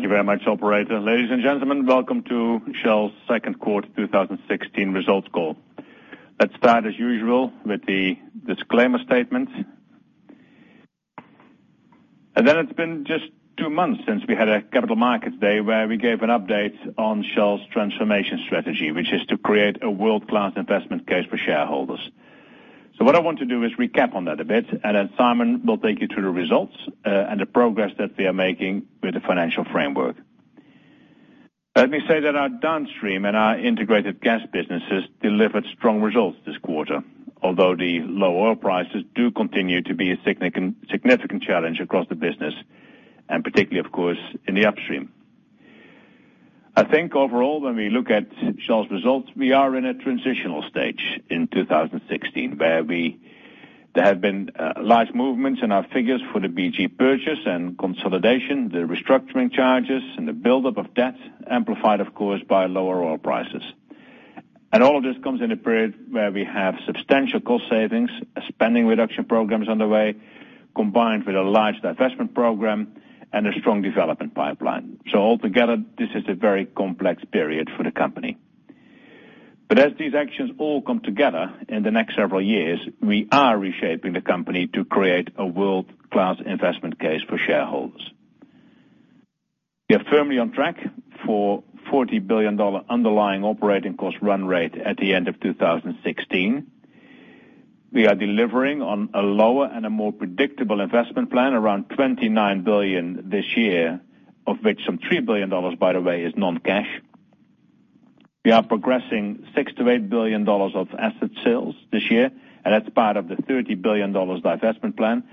Thank you very much, operator. Ladies and gentlemen, welcome to Shell's second quarter 2016 results call. Let's start as usual with the disclaimer statement. It's been just two months since we had a capital markets day where we gave an update on Shell's transformation strategy, which is to create a world-class investment case for shareholders. What I want to do is recap on that a bit, and then Simon will take you through the results and the progress that we are making with the financial framework. Let me say that our downstream and our integrated gas businesses delivered strong results this quarter. Although the low oil prices do continue to be a significant challenge across the business, and particularly, of course, in the upstream. I think overall, when we look at Shell's results, we are in a transitional stage in 2016, where there have been large movements in our figures for the BG purchase and consolidation, the restructuring charges, and the buildup of debt, amplified of course, by lower oil prices. All of this comes in a period where we have substantial cost savings, spending reduction programs underway, combined with a large divestment program and a strong development pipeline. Altogether, this is a very complex period for the company. As these actions all come together in the next several years, we are reshaping the company to create a world-class investment case for shareholders. We are firmly on track for $40 billion underlying operating cost run rate at the end of 2016. We are delivering on a lower and a more predictable investment plan, around $29 billion this year, of which some $3 billion, by the way, is non-cash. We are progressing $6 billion-$8 billion of asset sales this year, and that's part of the $30 billion divestment plan,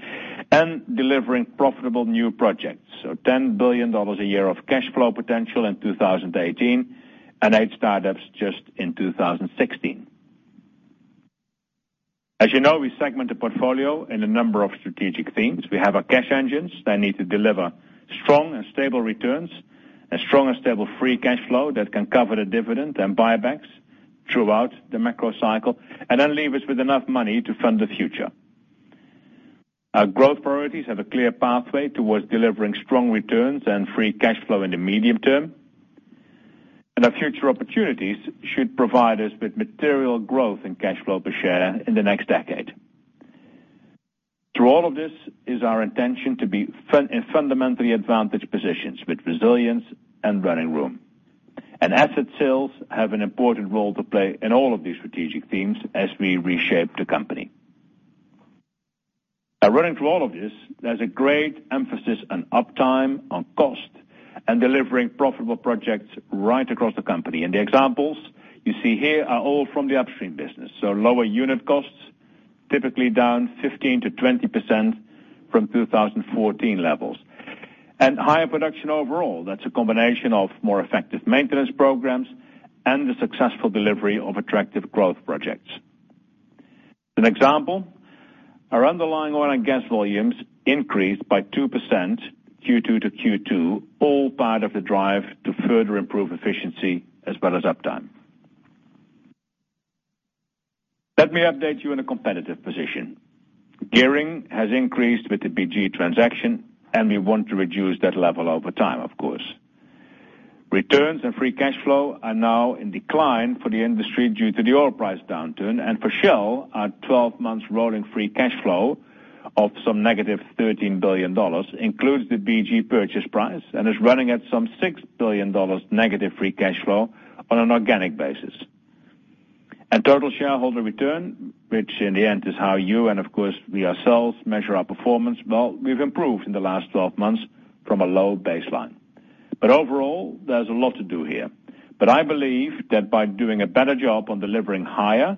and delivering profitable new projects. $10 billion a year of cash flow potential in 2018, and eight startups just in 2016. As you know, we segment the portfolio in a number of strategic themes. We have our cash engines that need to deliver strong and stable returns, a strong and stable free cash flow that can cover the dividend and buybacks throughout the macro cycle, then leave us with enough money to fund the future. Our growth priorities have a clear pathway towards delivering strong returns and free cash flow in the medium term. Our future opportunities should provide us with material growth in cash flow per share in the next decade. Through all of this is our intention to be in fundamentally advantaged positions with resilience and running room. Asset sales have an important role to play in all of these strategic themes as we reshape the company. Now running through all of this, there's a great emphasis on uptime, on cost, and delivering profitable projects right across the company. The examples you see here are all from the upstream business. Lower unit costs, typically down 15%-20% from 2014 levels. Higher production overall. That's a combination of more effective maintenance programs and the successful delivery of attractive growth projects. An example, our underlying oil and gas volumes increased by 2% Q2 to Q2, all part of the drive to further improve efficiency as well as uptime. Let me update you on a competitive position. Gearing has increased with the BG transaction, and we want to reduce that level over time, of course. Returns and free cash flow are now in decline for the industry due to the oil price downturn. For Shell, our 12 months rolling free cash flow of some negative $13 billion includes the BG purchase price and is running at some $6 billion negative free cash flow on an organic basis. Total shareholder return, which in the end is how you and of course we ourselves measure our performance, well, we've improved in the last 12 months from a low baseline. Overall, there's a lot to do here. I believe that by doing a better job on delivering higher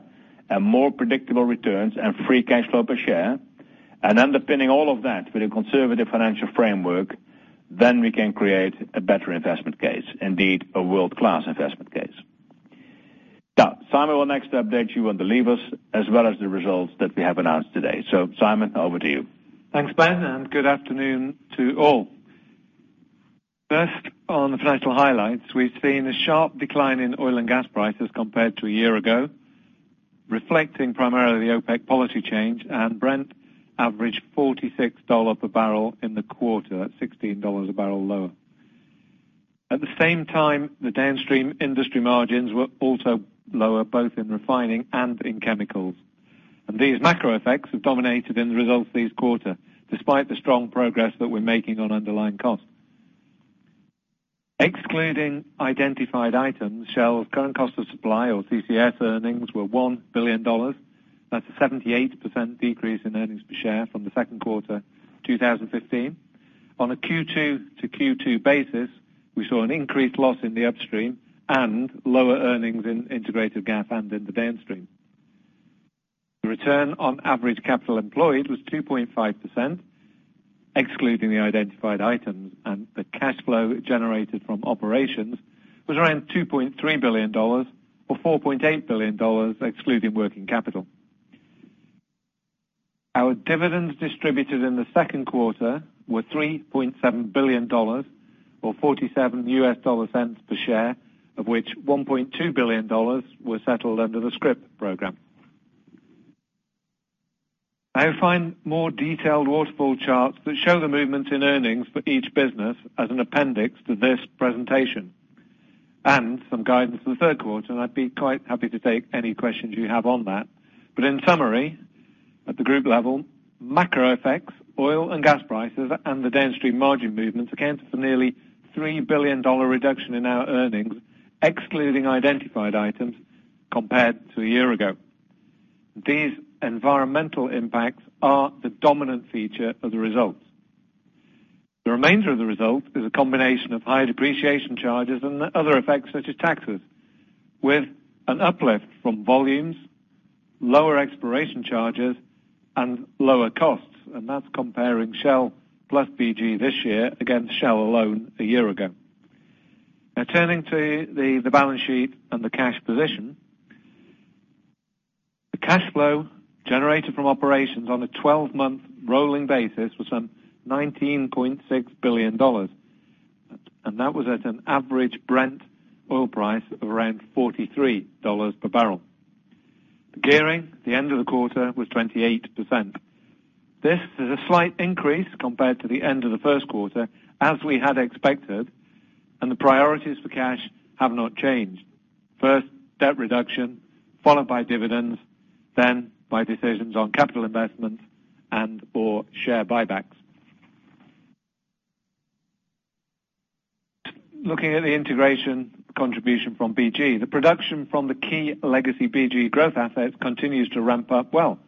and more predictable returns and free cash flow per share, and underpinning all of that with a conservative financial framework, then we can create a better investment case, indeed, a world-class investment case. Simon will next update you on the levers as well as the results that we have announced today. Simon, over to you. Thanks, Ben, good afternoon to all. First on the financial highlights, we've seen a sharp decline in oil and gas prices compared to a year ago, reflecting primarily the OPEC policy change and Brent averaged $46 per barrel in the quarter, at $16 a barrel lower. At the same time, the downstream industry margins were also lower, both in refining and in chemicals. These macro effects have dominated in the results this quarter, despite the strong progress that we're making on underlying costs. Excluding identified items, Shell's current cost of supply or CCS earnings were $1 billion. That's a 78% decrease in earnings per share from the second quarter 2015. On a Q2 to Q2 basis, we saw an increased loss in the upstream and lower earnings in integrated gas and in the downstream. The return on average capital employed was 2.5%, excluding the identified items, and the cash flow generated from operations was around $2.3 billion, or $4.8 billion, excluding working capital. Our dividends distributed in the second quarter were $3.7 billion, or $0.47 per share, of which $1.2 billion was settled under the scrip program. You'll find more detailed waterfall charts that show the movements in earnings for each business as an appendix to this presentation, and some guidance for the third quarter, and I'd be quite happy to take any questions you have on that. In summary, at the group level, macro effects, oil and gas prices, and the downstream margin movements account for nearly $3 billion reduction in our earnings, excluding identified items, compared to a year ago. These environmental impacts are the dominant feature of the results. The remainder of the result is a combination of higher depreciation charges and other effects such as taxes, with an uplift from volumes, lower exploration charges, and lower costs. That's comparing Shell plus BG this year against Shell alone a year ago. Turning to the balance sheet and the cash position. The cash flow generated from operations on a 12-month rolling basis was some $19.6 billion, and that was at an average Brent oil price of around $43 per barrel. The gearing at the end of the quarter was 28%. This is a slight increase compared to the end of the first quarter, as we had expected. The priorities for cash have not changed. First, debt reduction, followed by dividends, then by decisions on capital investments and/or share buybacks. Looking at the integration contribution from BG. The production from the key legacy BG growth assets continues to ramp up well.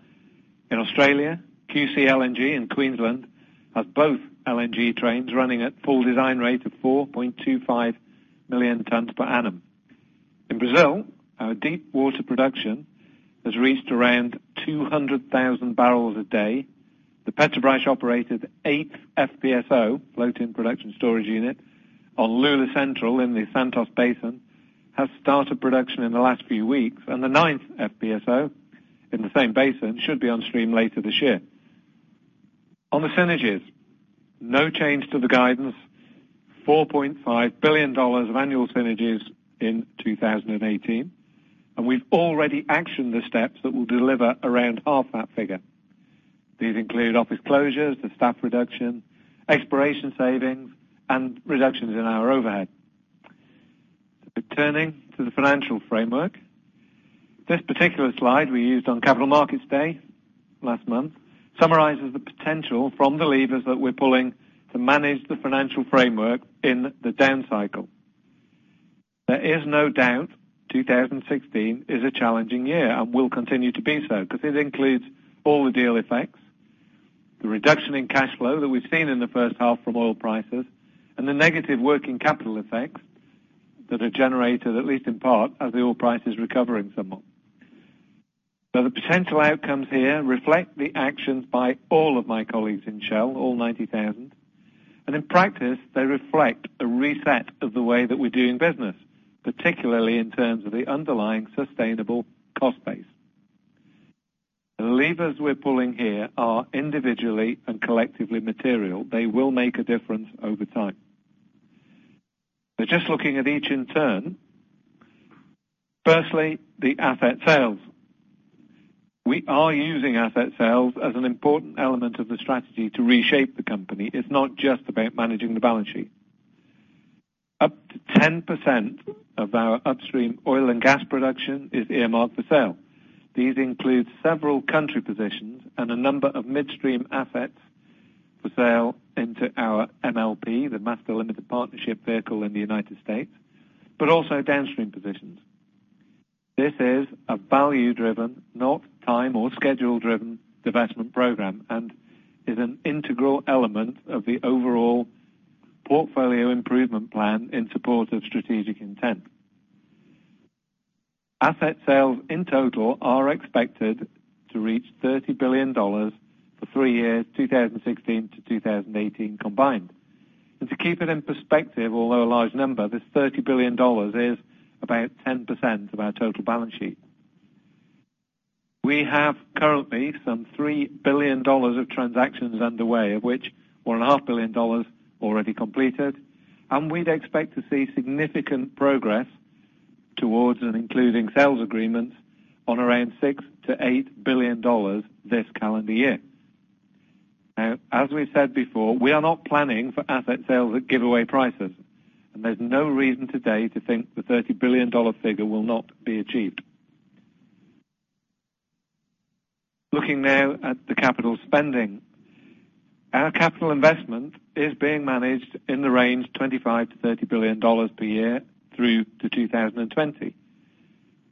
In Australia, QCLNG and Queensland have both LNG trains running at full design rate of 4.25 million tons per annum. In Brazil, our deepwater production has reached around 200,000 barrels a day. The Petrobras-operated eighth FPSO, floating production storage unit, on Lula Central in the Santos Basin, has started production in the last few weeks, and the ninth FPSO, in the same basin, should be on stream later this year. On the synergies, no change to the guidance, $4.5 billion of annual synergies in 2018. We've already actioned the steps that will deliver around half that figure. These include office closures, the staff reduction, exploration savings, and reductions in our overhead. Turning to the financial framework. This particular slide we used on Capital Markets Day last month summarizes the potential from the levers that we're pulling to manage the financial framework in the downcycle. There is no doubt 2016 is a challenging year and will continue to be so, because it includes all the deal effects, the reduction in cash flow that we've seen in the first half from oil prices, and the negative working capital effects that are generated, at least in part, as the oil price is recovering somewhat. The potential outcomes here reflect the actions by all of my colleagues in Shell, all 90,000. In practice, they reflect a reset of the way that we're doing business, particularly in terms of the underlying sustainable cost base. The levers we're pulling here are individually and collectively material. They will make a difference over time. Just looking at each in turn. Firstly, the asset sales. We are using asset sales as an important element of the strategy to reshape the company. It's not just about managing the balance sheet. Up to 10% of our upstream oil and gas production is earmarked for sale. These include several country positions and a number of midstream assets for sale into our MLP, the Master Limited Partnership vehicle in the U.S., but also downstream positions. This is a value-driven, not time or schedule-driven, divestment program and is an integral element of the overall portfolio improvement plan in support of strategic intent. Asset sales in total are expected to reach $30 billion for three years, 2016 to 2018 combined. To keep it in perspective, although a large number, this $30 billion is about 10% of our total balance sheet. We have currently some $3 billion of transactions underway, of which $1.5 billion already completed, and we'd expect to see significant progress towards and including sales agreements on around $6 billion-$8 billion this calendar year. As we said before, we are not planning for asset sales at giveaway prices, and there's no reason today to think the $30 billion figure will not be achieved. Looking now at the capital spending. Our capital investment is being managed in the range $25 billion-$30 billion per year through to 2020.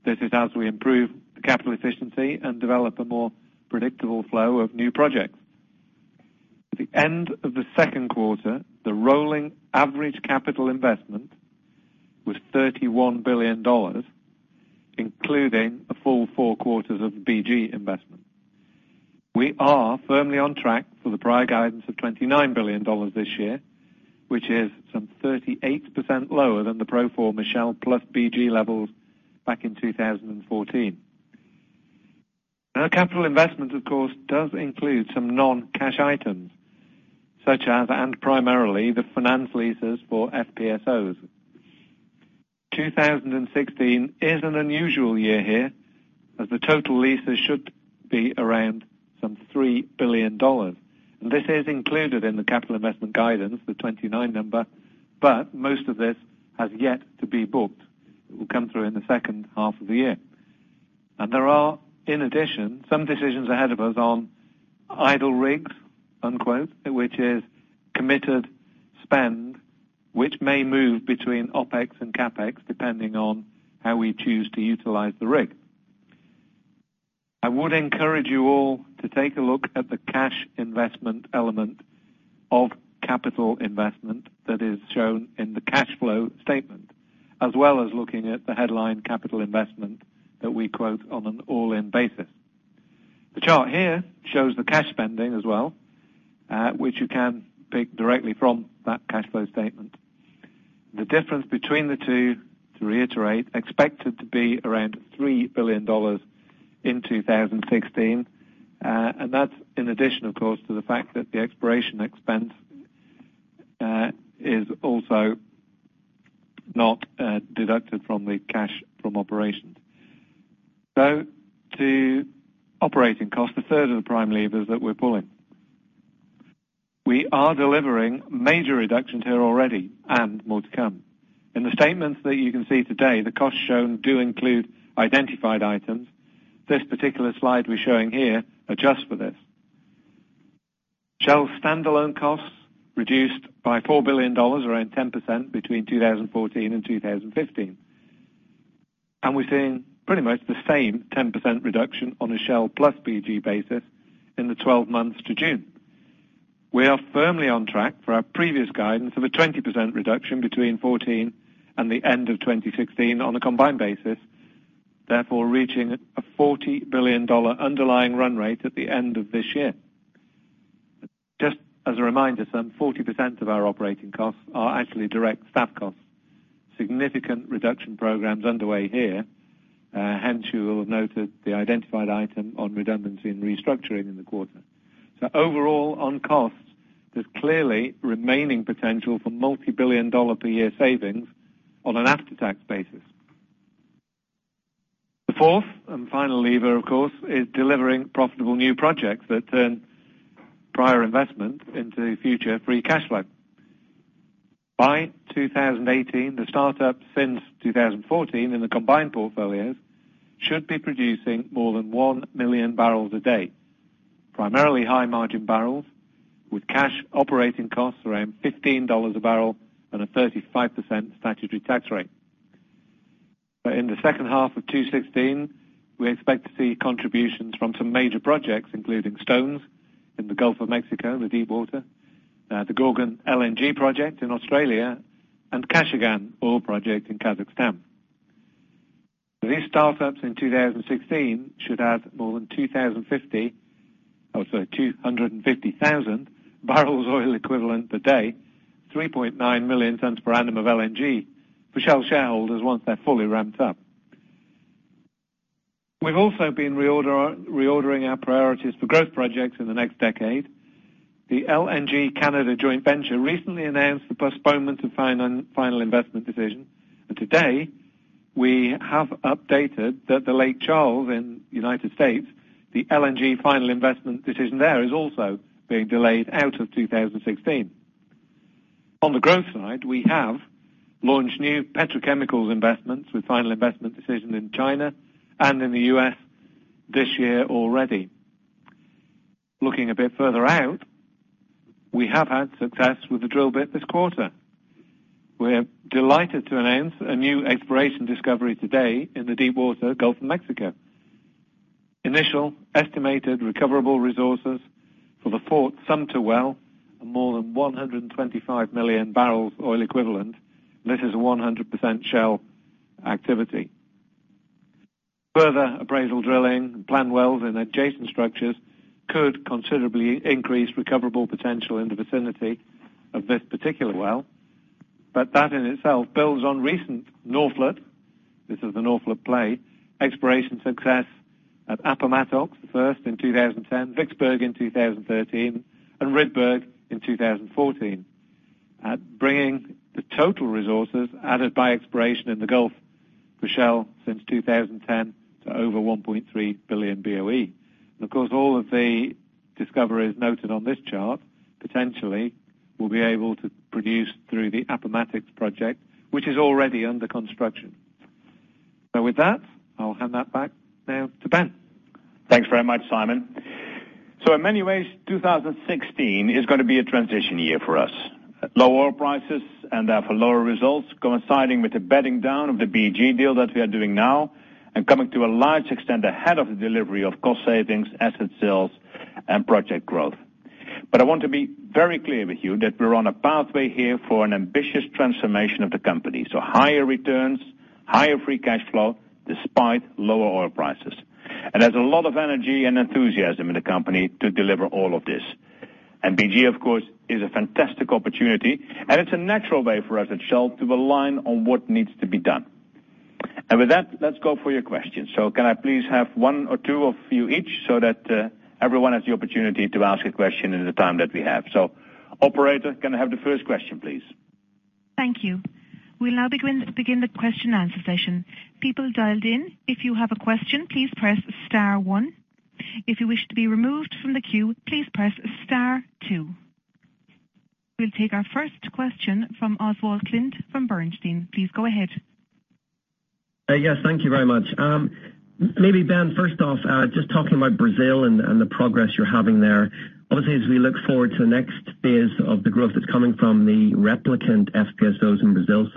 This is as we improve the capital efficiency and develop a more predictable flow of new projects. At the end of the second quarter, the rolling average capital investment was $31 billion, including the full four quarters of BG investment. We are firmly on track for the prior guidance of $29 billion this year. Which is some 38% lower than the pro forma Shell plus BG levels back in 2014. Capital investment, of course, does include some non-cash items, such as, and primarily, the finance leases for FPSOs. 2016 is an unusual year here, as the total leases should be around some $3 billion. This is included in the capital investment guidance, the 29 number, but most of this has yet to be booked. It will come through in the second half of the year. There are, in addition, some decisions ahead of us on "idle rigs," unquote, which is committed spend, which may move between OpEx and CapEx, depending on how we choose to utilize the rig. I would encourage you all to take a look at the cash investment element of capital investment that is shown in the cash flow statement, as well as looking at the headline capital investment that we quote on an all-in basis. The chart here shows the cash spending as well, which you can pick directly from that cash flow statement. The difference between the two, to reiterate, expected to be around $3 billion in 2016. That's in addition, of course, to the fact that the exploration expense is also not deducted from the cash from operations. To operating costs, the third of the prime levers that we're pulling. We are delivering major reductions here already and more to come. In the statements that you can see today, the costs shown do include identified items. This particular slide we're showing here adjusts for this. Shell standalone costs reduced by $4 billion, around 10% between 2014 and 2015. We're seeing pretty much the same 10% reduction on a Shell plus BG basis in the 12 months to June. We are firmly on track for our previous guidance of a 20% reduction between 2014 and the end of 2016 on a combined basis, therefore reaching a $40 billion underlying run rate at the end of this year. Just as a reminder, some 40% of our operating costs are actually direct staff costs. Significant reduction programs underway here. Hence you will have noted the identified item on redundancy and restructuring in the quarter. Overall, on costs, there's clearly remaining potential for multi-billion dollar per year savings on an after-tax basis. The fourth and final lever, of course, is delivering profitable new projects that turn prior investments into future free cash flow. By 2018, the start-ups since 2014 in the combined portfolios should be producing more than 1 million barrels a day. Primarily high margin barrels with cash operating costs around $15 a barrel and a 35% statutory tax rate. In the second half of 2016, we expect to see contributions from some major projects, including Stones in the Gulf of Mexico, the deep water, the Gorgon LNG project in Australia, and Kashagan oil project in Kazakhstan. These start-ups in 2016 should add more than 250,000 barrels oil equivalent per day, 3.9 million tons per annum of LNG for Shell shareholders once they're fully ramped up. We've also been reordering our priorities for growth projects in the next decade. The LNG Canada joint venture recently announced the postponement of final investment decision. Today, we have updated that the Lake Charles in the U.S., the LNG final investment decision there is also being delayed out of 2016. On the growth side, we have launched new petrochemicals investments with final investment decision in China and in the U.S. this year already. Looking a bit further out, we have had success with the drill bit this quarter. We're delighted to announce a new exploration discovery today in the deep water Gulf of Mexico. Initial estimated recoverable resources for the Fort Sumter well are more than 125 million barrels oil equivalent. This is a 100% Shell activity. Further appraisal drilling and planned wells in adjacent structures could considerably increase recoverable potential in the vicinity of this particular well. That in itself builds on recent Norphlet, this is the Norphlet play, exploration success at Appomattox, the first in 2010, Vicksburg in 2013, and Rydberg in 2014. Bringing the total resources added by exploration in the Gulf for Shell since 2010 to over 1.3 billion BOE. Of course, all of the discoveries noted on this chart potentially will be able to produce through the Appomattox project, which is already under construction. With that, I'll hand that back now to Ben. Thanks very much, Simon. In many ways, 2016 is going to be a transition year for us. Low oil prices and therefore lower results coinciding with the bedding down of the BG deal that we are doing now and coming to a large extent ahead of the delivery of cost savings, asset sales, and project growth. I want to be very clear with you that we're on a pathway here for an ambitious transformation of the company. Higher returns, higher free cash flow, despite lower oil prices. There's a lot of energy and enthusiasm in the company to deliver all of this. BG, of course, is a fantastic opportunity, and it's a natural way for us at Shell to align on what needs to be done. With that, let's go for your questions. Can I please have one or two of you each so that everyone has the opportunity to ask a question in the time that we have? Operator, can I have the first question, please? Thank you. We'll now begin the question answer session. People dialed in, if you have a question, please press star one. If you wish to be removed from the queue, please press star two. We'll take our first question from Oswald Clint from Bernstein. Please go ahead. Yes, thank you very much. Maybe Ben, first off, just talking about Brazil and the progress you're having there. Obviously, as we look forward to the next phase of the growth that's coming from the replicant FPSOs in Brazil.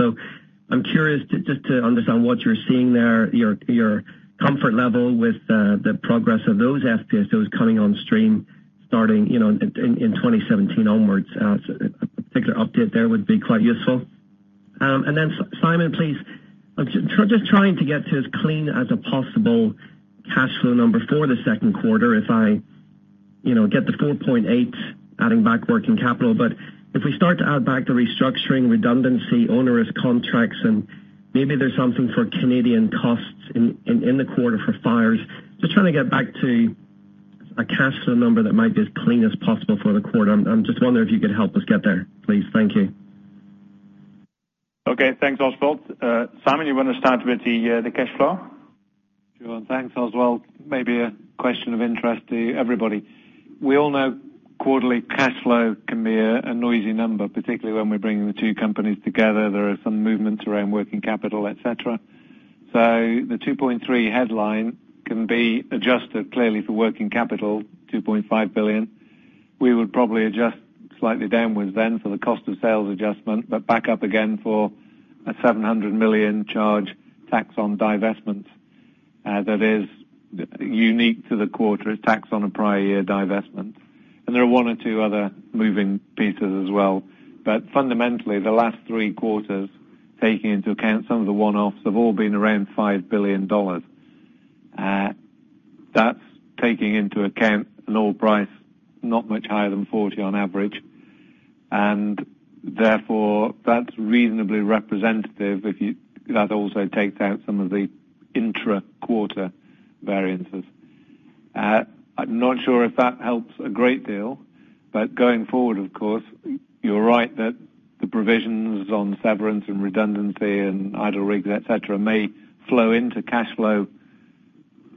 I'm curious just to understand what you're seeing there, your comfort level with the progress of those FPSOs coming on stream starting in 2017 onwards. A particular update there would be quite useful. Simon, please, I'm just trying to get to as clean as a possible cash flow number for the second quarter if I get the $4.8, adding back working capital. If we start to add back the restructuring redundancy, onerous contracts, and maybe there's something for Canadian costs in the quarter for fires, just trying to get back to a cash flow number that might be as clean as possible for the quarter. I'm just wondering if you could help us get there, please. Thank you. Okay. Thanks, Oswald. Simon, you want to start with the cash flow? Sure. Thanks, Oswald. Maybe a question of interest to everybody. We all know quarterly cash flow can be a noisy number, particularly when we're bringing the two companies together. There are some movements around working capital, et cetera. The 2.3 headline can be adjusted clearly for working capital, $2.5 billion. We would probably adjust slightly downwards then for the cost of sales adjustment, but back up again for a $700 million charge tax on divestments. That is unique to the quarter. It's tax on a prior year divestment. There are one or two other moving pieces as well. Fundamentally, the last three quarters, taking into account some of the one-offs, have all been around $5 billion. That's taking into account an oil price not much higher than 40 on average, and therefore that's reasonably representative that also takes out some of the intra-quarter variances. I'm not sure if that helps a great deal, going forward, of course, you're right that the provisions on severance and redundancy and idle rigs, et cetera, may flow into cash flow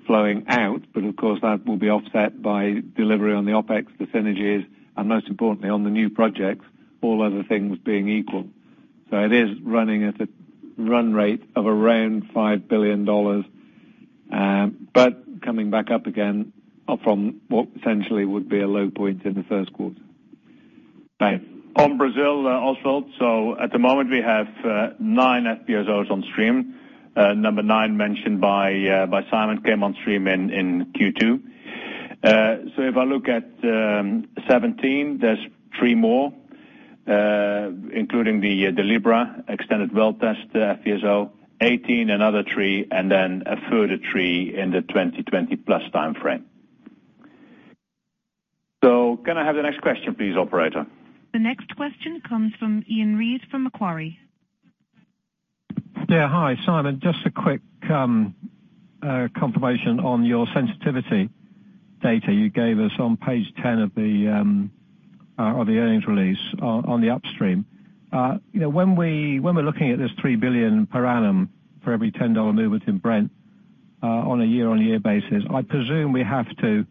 flowing out. Of course, that will be offset by delivery on the OpEx, the synergies, and most importantly, on the new projects, all other things being equal. It is running at a run rate of around $5 billion. Coming back up again from what essentially would be a low point in the first quarter. On Brazil, Oswald. At the moment, we have 9 FPSOs on stream. Number 9 mentioned by Simon came on stream in Q2. If I look at 2017, there's 3 more, including the Libra extended well test FPSO. 2018, another 3, and then a further 3 in the 2020 plus timeframe. Can I have the next question please, operator? The next question comes from Iain Reid from Macquarie. Hi, Simon. Just a quick confirmation on your sensitivity data you gave us on page 10 of the earnings release on the upstream. When we're looking at this $3 billion per annum for every $10 movement in Brent, on a year-on-year basis, I presume we have to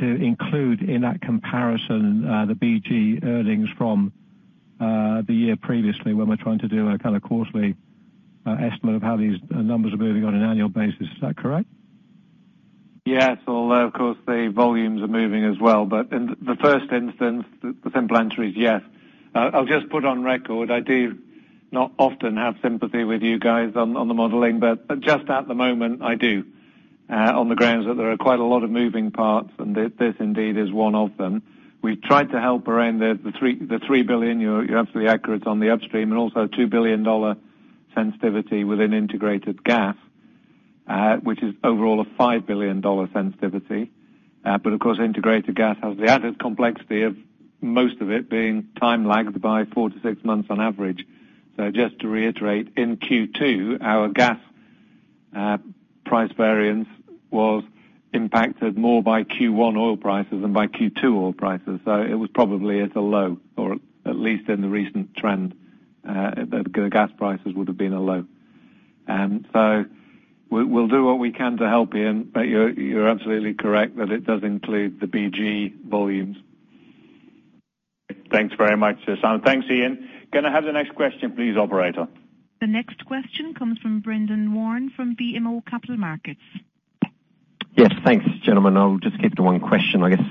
include in that comparison, the BG earnings from the year previously when we're trying to do a kind of quarterly estimate of how these numbers are moving on an annual basis. Is that correct? Yes. Although, of course, the volumes are moving as well. In the first instance, the simple answer is yes. I'll just put on record, I do not often have sympathy with you guys on the modeling, but just at the moment I do, on the grounds that there are quite a lot of moving parts, and this indeed is one of them. We've tried to help around the $3 billion, you're absolutely accurate on the upstream and also a $2 billion sensitivity within Integrated Gas, which is overall a $5 billion sensitivity. Of course, Integrated Gas has the added complexity of most of it being time lagged by four to six months on average. Just to reiterate, in Q2, our gas price variance was impacted more by Q1 oil prices than by Q2 oil prices. It was probably at a low, or at least in the recent trend, the gas prices would have been a low. We'll do what we can to help, Iain, but you're absolutely correct that it does include the BG volumes. Thanks very much, Simon. Thanks, Iain. Can I have the next question please, operator? The next question comes from Brendan Warn from BMO Capital Markets. Yes. Thanks, gentlemen. I'll just keep to one question, I guess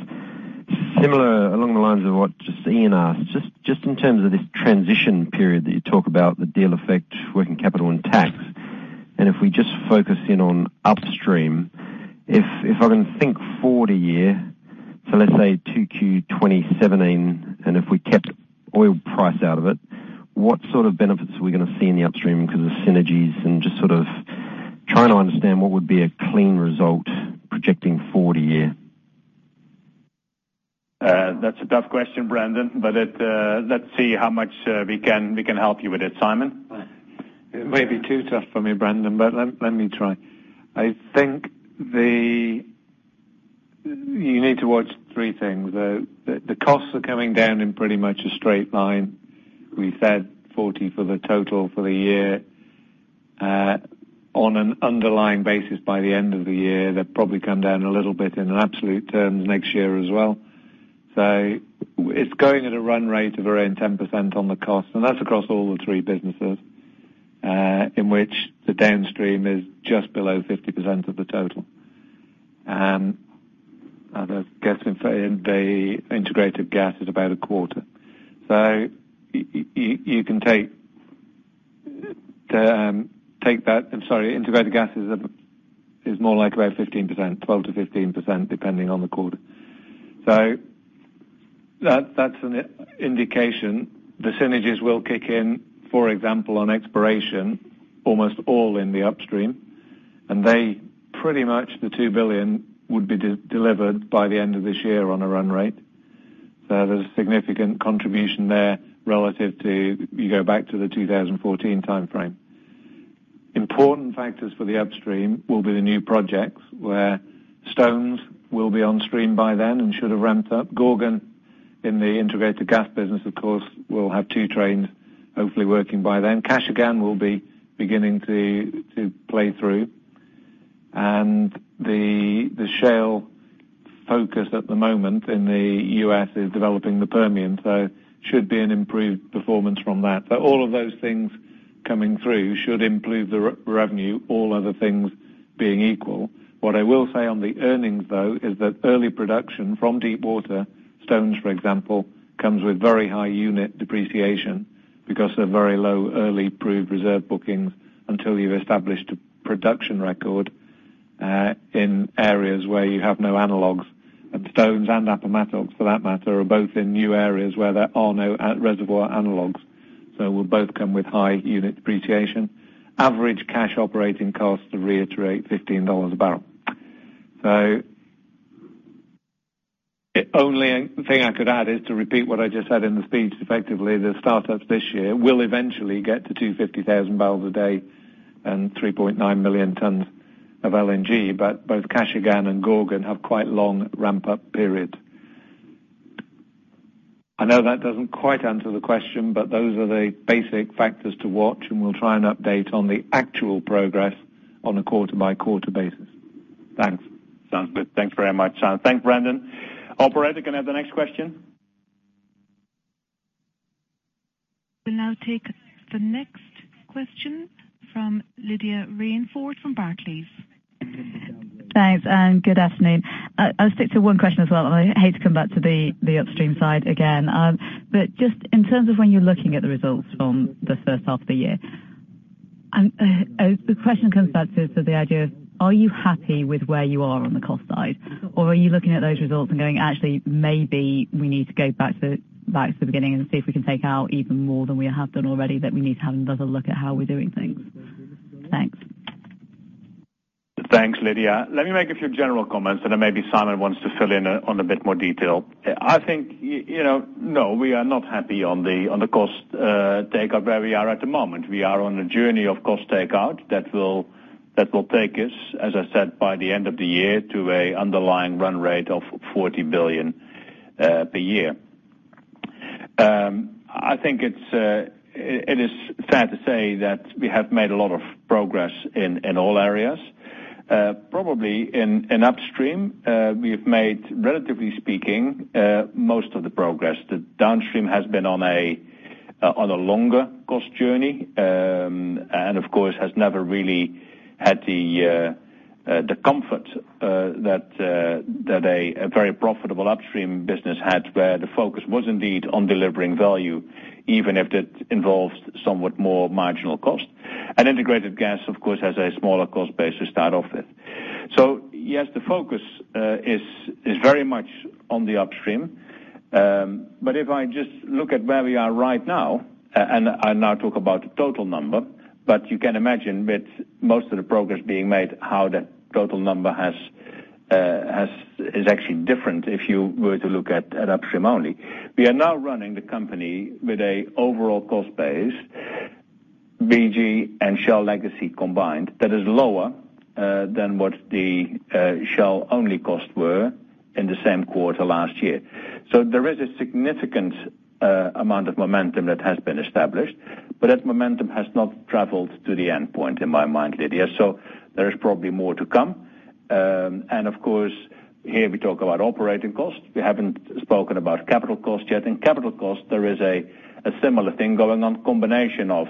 similar along the lines of what just Iain asked, just in terms of this transition period that you talk about, the deal effect, working capital and tax. If we just focus in on upstream, if I can think forward a year Let's say 2Q 2017, and if we kept oil price out of it, what sort of benefits are we going to see in the upstream because of synergies? Just sort of trying to understand what would be a clean result projecting forward a year. That's a tough question, Brendan, but let's see how much we can help you with it. Simon? It may be too tough for me, Brendan, but let me try. I think you need to watch three things. The costs are coming down in pretty much a straight line. We said 40 for the total for the year. On an underlying basis by the end of the year, they'll probably come down a little bit in absolute terms next year as well. It's going at a run rate of around 10% on the cost, and that's across all the three businesses, in which the downstream is just below 50% of the total. The integrated gas is about a quarter. Integrated gas is more like about 15%, 12%-15%, depending on the quarter. That's an indication the synergies will kick in, for example, on exploration, almost all in the upstream. Pretty much the $2 billion would be delivered by the end of this year on a run rate. There's a significant contribution there relative to, you go back to the 2014 timeframe. Important factors for the upstream will be the new projects where Stones will be on stream by then and should have ramped up. Gorgon in the integrated gas business, of course, will have two trains hopefully working by then. Kashagan will be beginning to play through. The Shale focus at the moment in the U.S. is developing the Permian, so should be an improved performance from that. All of those things coming through should improve the revenue, all other things being equal. What I will say on the earnings, though, is that early production from deep water, Stones, for example, comes with very high unit depreciation because of very low early proved reserve bookings until you've established a production record, in areas where you have no analogs. Stones and Appomattox, for that matter, are both in new areas where there are no reservoir analogs. Will both come with high unit depreciation. Average cash operating costs to reiterate $15 a barrel. The only thing I could add is to repeat what I just said in the speech. Effectively, the startups this year will eventually get to 250,000 barrels a day and 3.9 million tons of LNG. Both Kashagan and Gorgon have quite long ramp-up periods. I know that doesn't quite answer the question, but those are the basic factors to watch, and we'll try and update on the actual progress on a quarter-by-quarter basis. Thanks. Sounds good. Thanks very much, Simon. Thanks, Brendan. Operator, can I have the next question? We'll now take the next question from Lydia Rainforth from Barclays. Thanks. Good afternoon. I'll stick to one question as well. I hate to come back to the upstream side again, just in terms of when you're looking at the results from the first half of the year. The question comes back to the idea of, are you happy with where you are on the cost side? Are you looking at those results and going, "Actually, maybe we need to go back to the beginning and see if we can take out even more than we have done already, that we need to have another look at how we're doing things." Thanks. Thanks, Lydia. Let me make a few general comments, then maybe Simon wants to fill in on a bit more detail. I think, no, we are not happy on the cost take up where we are at the moment. We are on a journey of cost takeout that will take us, as I said, by the end of the year to a underlying run rate of $40 billion per year. I think it is fair to say that we have made a lot of progress in all areas. Probably in upstream, we have made, relatively speaking, most of the progress. The downstream has been on a longer cost journey. Of course, has never really had the comfort that a very profitable upstream business had where the focus was indeed on delivering value, even if it involved somewhat more marginal cost. Integrated gas, of course, has a smaller cost base to start off with. Yes, the focus is very much on the upstream. If I just look at where we are right now, I now talk about the total number, but you can imagine with most of the progress being made, how the total number is actually different if you were to look at upstream only. We are now running the company with a overall cost base, BG and Shell legacy combined, that is lower than what the Shell only costs were in the same quarter last year. There is a significant amount of momentum that has been established, but that momentum has not traveled to the endpoint in my mind, Lydia, there is probably more to come. Of course, here we talk about operating costs. We haven't spoken about capital costs yet. In capital costs, there is a similar thing going on, combination of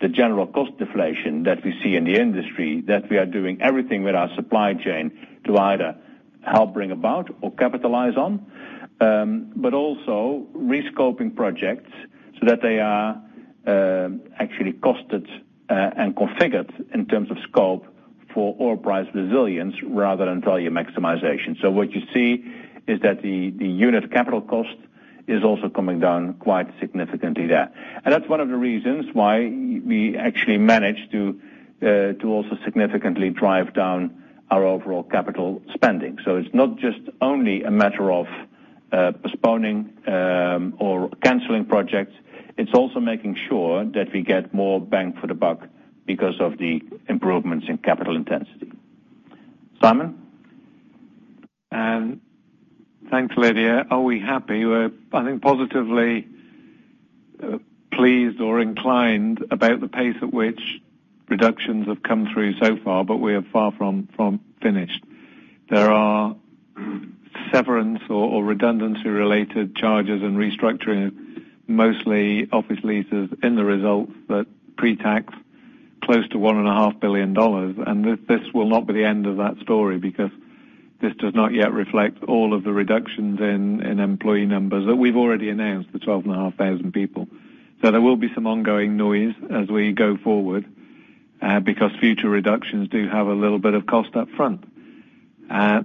the general cost deflation that we see in the industry, that we are doing everything with our supply chain to either help bring about or capitalize on. Also rescoping projects so that they are actually costed and configured in terms of scope for oil price resilience rather than value maximization. What you see is that the unit capital cost is also coming down quite significantly there. That's one of the reasons why we actually managed to also significantly drive down our overall capital spending. It's not just only a matter of postponing or canceling projects, it's also making sure that we get more bang for the buck because of the improvements in capital intensity. Simon? Thanks, Lydia. Are we happy? We're, I think, positively pleased or inclined about the pace at which reductions have come through so far, we are far from finished. There are severance or redundancy-related charges and restructuring, mostly office leases in the results, but pre-tax, close to $1.5 billion. This will not be the end of that story because this does not yet reflect all of the reductions in employee numbers, that we've already announced the 12,500 people. There will be some ongoing noise as we go forward, because future reductions do have a little bit of cost up front. That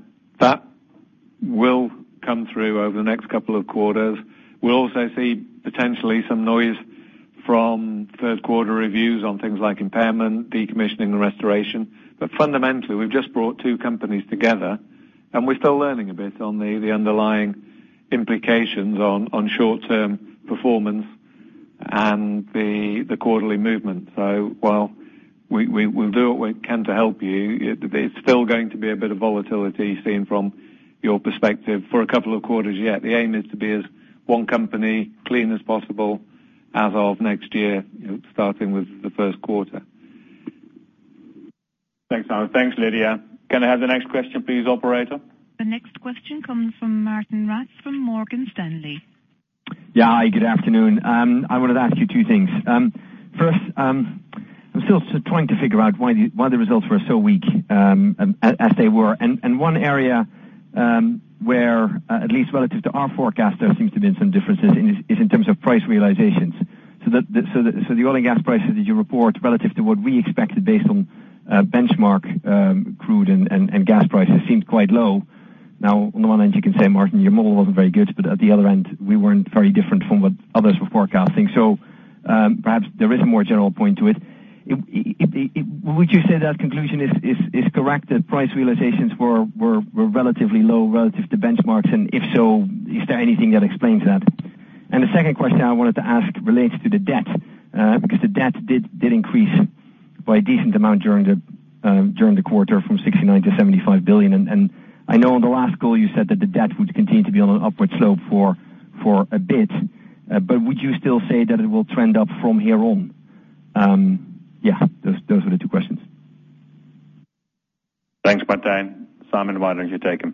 will come through over the next couple of quarters. We'll also see potentially some noise from third quarter reviews on things like impairment, decommissioning, and restoration. Fundamentally, we've just brought two companies together and we're still learning a bit on the underlying implications on short-term performance and the quarterly movement. While we'll do what we can to help you, it's still going to be a bit of volatility seen from your perspective for a couple of quarters yet. The aim is to be as one company, clean as possible as of next year, starting with the first quarter. Thanks, Simon. Thanks, Lydia. Can I have the next question please, operator? The next question comes from Martijn Rats from Morgan Stanley. Hi, good afternoon. I wanted to ask you two things. First, I'm still trying to figure out why the results were so weak, as they were. One area where, at least relative to our forecast, there seems to have been some differences is in terms of price realizations. The oil and gas prices that you report relative to what we expected based on benchmark crude and gas prices seemed quite low. On the one end you can say, Martijn, your model wasn't very good, at the other end, we weren't very different from what others were forecasting. Perhaps there is a more general point to it. Would you say that conclusion is correct, that price realizations were relatively low relative to benchmarks? If so, is there anything that explains that? The second question I wanted to ask relates to the debt, because the debt did increase by a decent amount during the quarter from 69 to $75 billion. I know on the last call you said that the debt would continue to be on an upward slope for a bit. Would you still say that it will trend up from here on? Yeah, those are the two questions. Thanks, Martijn. Simon, why don't you take them?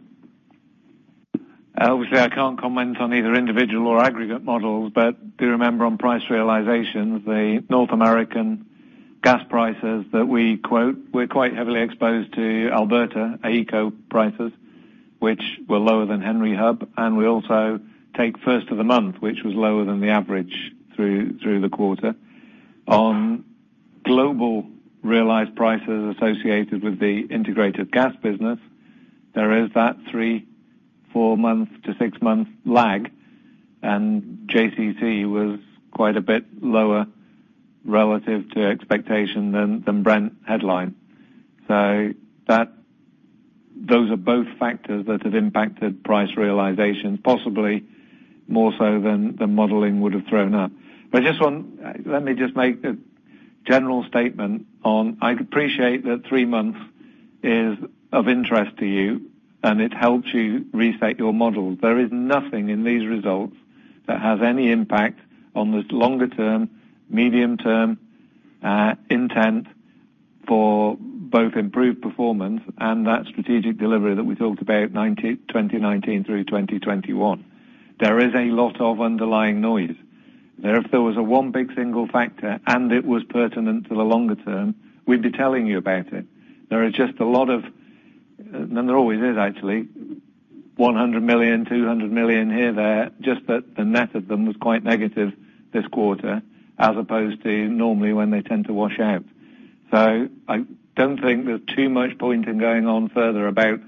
Obviously, I can't comment on either individual or aggregate models, do remember on price realizations, the North American gas prices that we quote, we're quite heavily exposed to Alberta AECO prices, which were lower than Henry Hub. We also take first of the month, which was lower than the average through the quarter. On global realized prices associated with the integrated gas business, there is that three, four months to six months lag. JCC was quite a bit lower relative to expectation than Brent headline. Those are both factors that have impacted price realization, possibly more so than the modeling would've thrown up. Let me just make a general statement on, I appreciate that three months is of interest to you and it helps you reset your model. There is nothing in these results that has any impact on the longer term, medium term intent for both improved performance and that strategic delivery that we talked about 2019 through 2021. There is a lot of underlying noise. If there was a one big single factor and it was pertinent to the longer term, we'd be telling you about it. There are just a lot of, and there always is actually, $100 million, $200 million here or there, just that the net of them was quite negative this quarter as opposed to normally when they tend to wash out. I don't think there's too much point in going on further about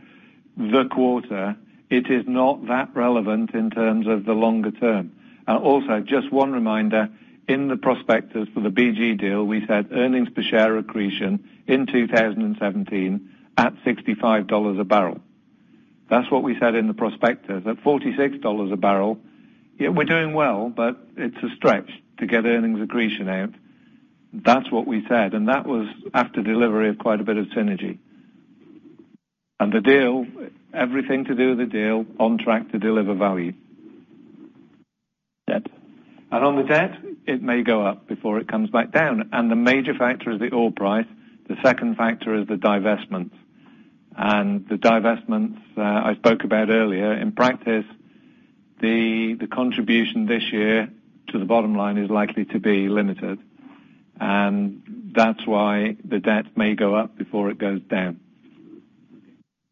the quarter. It is not that relevant in terms of the longer term. Also, just one reminder, in the prospectus for the BG deal, we said earnings per share accretion in 2017 at $65 a barrel. That is what we said in the prospectus. At $46 a barrel, yeah, we are doing well, but it is a stretch to get earnings accretion out. That is what we said, and that was after delivery of quite a bit of synergy. Everything to do with the deal, on track to deliver value. Debt. On the debt, it may go up before it comes back down. The major factor is the oil price. The second factor is the divestments. The divestments I spoke about earlier. In practice, the contribution this year to the bottom line is likely to be limited. That is why the debt may go up before it goes down.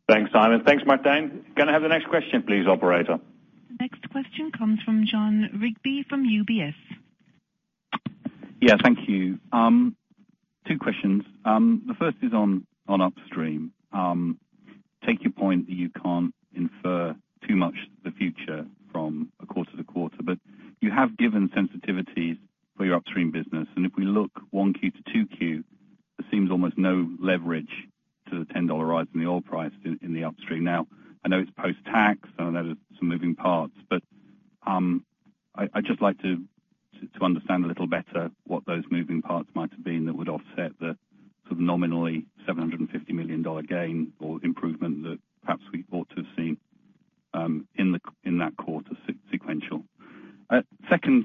Thanks, Simon. Thanks, Martijn. Can I have the next question please, operator? Next question comes from Jon Rigby from UBS. Yeah, thank you. Two questions. The first is on upstream. Take your point that you can't infer too much the future from a quarter to quarter, but you have given sensitivities for your upstream business. If we look 1Q to 2Q, there seems almost no leverage to the $10 rise in the oil price in the upstream. Now, I know it's post-tax, I know there's some moving parts, but I'd just like to understand a little better what those moving parts might have been that would offset the nominally $750 million gain or improvement that perhaps we ought to have seen in that quarter sequential. Second,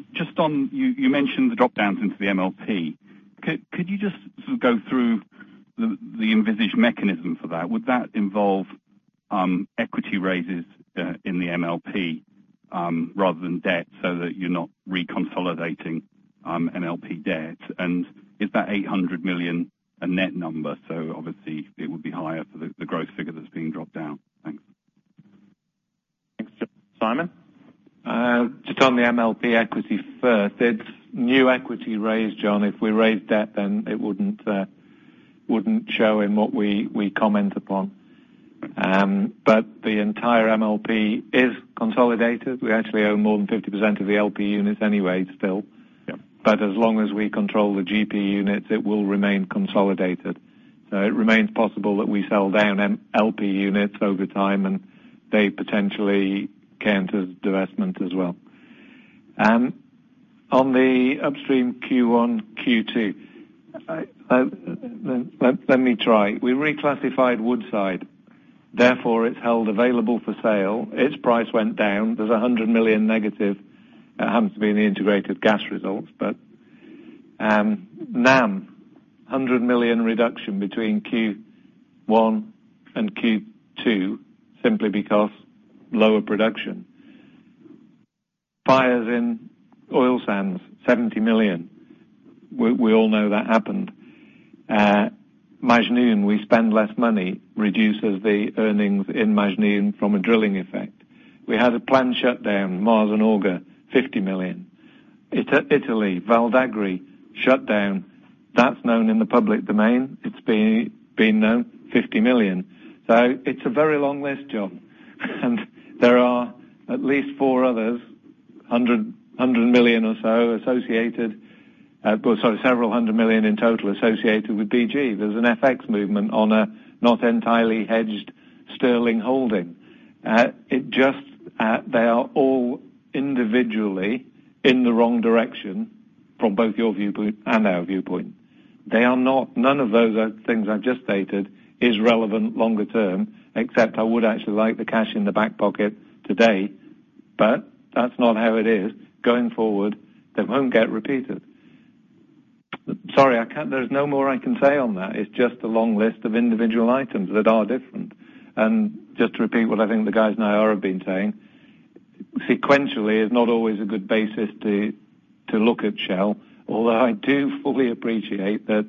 you mentioned the drop-downs into the MLP. Could you just go through the envisaged mechanism for that? Would that involve equity raises in the MLP rather than debt, so that you're not reconsolidating MLP debt? Is that $800 million a net number? Obviously, it would be higher for the gross figure that's being dropped down. Thanks. Thanks, Jon. Simon? Just on the MLP equity first. It's new equity raised, Jon. If we raised debt, then it wouldn't show in what we comment upon. The entire MLP is consolidated. We actually own more than 50% of the LP units anyway, still. Yep. As long as we control the GP units, it will remain consolidated. It remains possible that we sell down LP units over time, and they potentially count as divestment as well. On the upstream Q1, Q2. Let me try. We reclassified Woodside, therefore it's held available for sale. Its price went down. There's $100 million negative. It happens to be in the integrated gas results, but NAM, $100 million reduction between Q1 and Q2, simply because lower production. fires in oil sands, $70 million. We all know that happened. Majnoon, we spend less money, reduces the earnings in Majnoon from a drilling effect. We had a planned shutdown, Mars and Auger, $50 million. Italy, Val d'Agri shutdown. That's known in the public domain. It's been known, $50 million. It's a very long list, Jon, and there are at least four others, $several hundred million in total associated with BG. There's an FX movement on a not entirely hedged sterling holding. They are all individually in the wrong direction from both your viewpoint and our viewpoint. None of those things I've just stated is relevant longer term, except I would actually like the cash in the back pocket today, but that's not how it is. Going forward, they won't get repeated. Sorry, there's no more I can say on that. It's just a long list of individual items that are different. Just to repeat what I think the guys and I have been saying, sequentially is not always a good basis to look at Shell, although I do fully appreciate that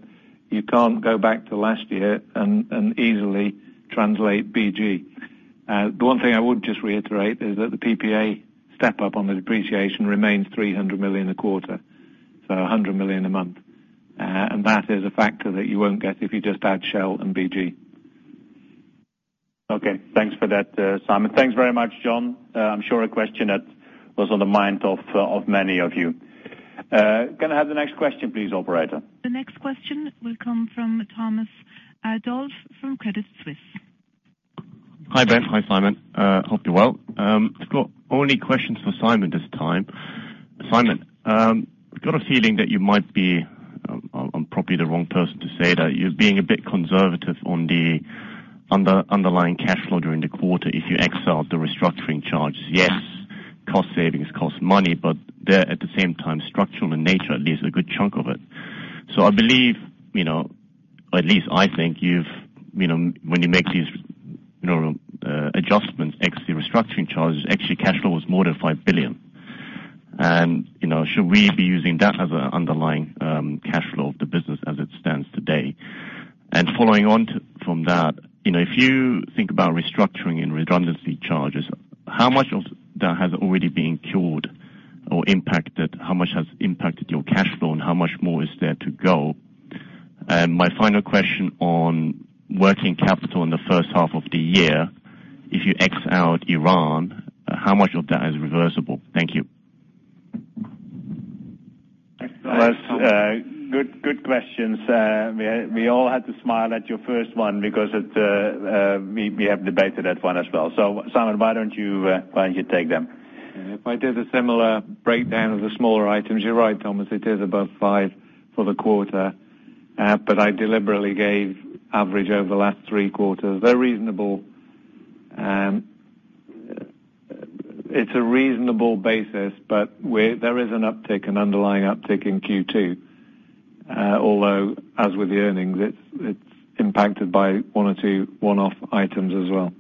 you can't go back to last year and easily translate BG. The one thing I would just reiterate is that the PPA step-up on the depreciation remains $300 million a quarter, so $100 million a month. That is a factor that you won't get if you just add Shell and BG. Okay. Thanks for that, Simon. Thanks very much, Jon. I'm sure a question that was on the mind of many of you. Can I have the next question please, operator? The next question will come from Thomas Adolff from Credit Suisse. Hi, Ben. Hi, Simon. Hope you're well. I've got only questions for Simon this time. Simon, got a feeling that you might be, I'm probably the wrong person to say that you're being a bit conservative on the underlying cash flow during the quarter if you ex the restructuring charges. Cost savings cost money, they're, at the same time, structural in nature, at least a good chunk of it. I believe, or at least I think when you make these adjustments, ex the restructuring charges, actually cash flow was more than $5 billion. Should we be using that as a underlying cash flow of the business as it stands today? Following on from that, if you think about restructuring and redundancy charges, how much of that has already been cured or impacted? How much has impacted your cash flow, and how much more is there to go? My final question on working capital in the first half of the year. If you ex out Iran, how much of that is reversible? Thank you. That's good questions. We all had to smile at your first one because we have debated that one as well. Simon, why don't you take them? If I did a similar breakdown of the smaller items, you're right, Thomas, it is above five for the quarter. I deliberately gave average over the last three quarters. It's a reasonable basis, there is an uptick, an underlying uptick in Q2. Although, as with the earnings, it's impacted by one or two one-off items as well.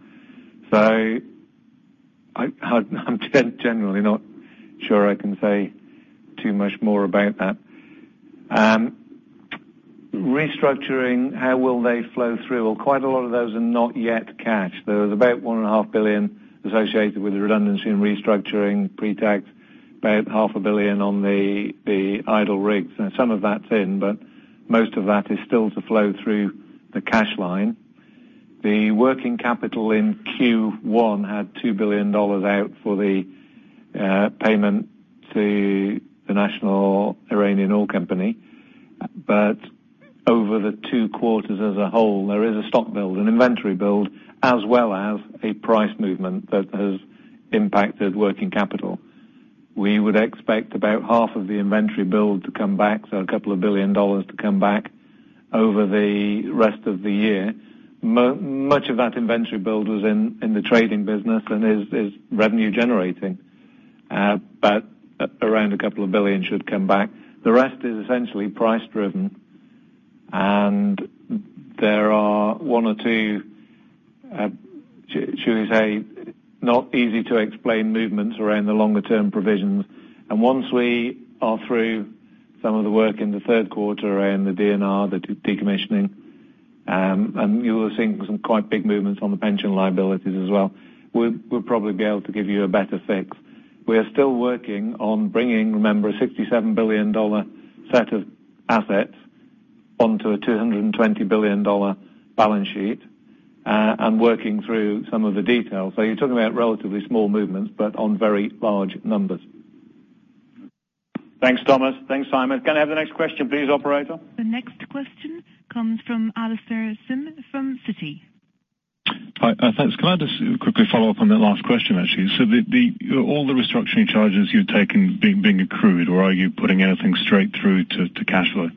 I'm generally not sure I can say too much more about that. Restructuring, how will they flow through? Quite a lot of those are not yet cash. There was about $1.5 billion associated with the redundancy and restructuring pre-tax, about half a billion on the idle rigs. Now some of that's in, but most of that is still to flow through the cash line. The working capital in Q1 had $2 billion out for the payment to the National Iranian Oil Company. Over the two quarters as a whole, there is a stock build, an inventory build, as well as a price movement that has impacted working capital. We would expect about half of the inventory build to come back, so a couple of billion dollars to come back over the rest of the year. Much of that inventory build was in the trading business and is revenue generating. Around a couple of billion should come back. The rest is essentially price driven and there are one or two, should we say, not easy to explain movements around the longer term provisions. Once we are through some of the work in the third quarter around the D&R, the decommissioning, and you'll see some quite big movements on the pension liabilities as well. We'll probably be able to give you a better fix. We are still working on bringing, remember, a $67 billion set of assets onto a $220 billion balance sheet, and working through some of the details. You're talking about relatively small movements, but on very large numbers. Thanks, Thomas. Thanks, Simon. Can I have the next question please, operator? The next question comes from Alastair Syme from Citi. Hi. Thanks. Can I just quickly follow up on that last question, actually? All the restructuring charges you've taken being accrued, or are you putting anything straight through to cash flow,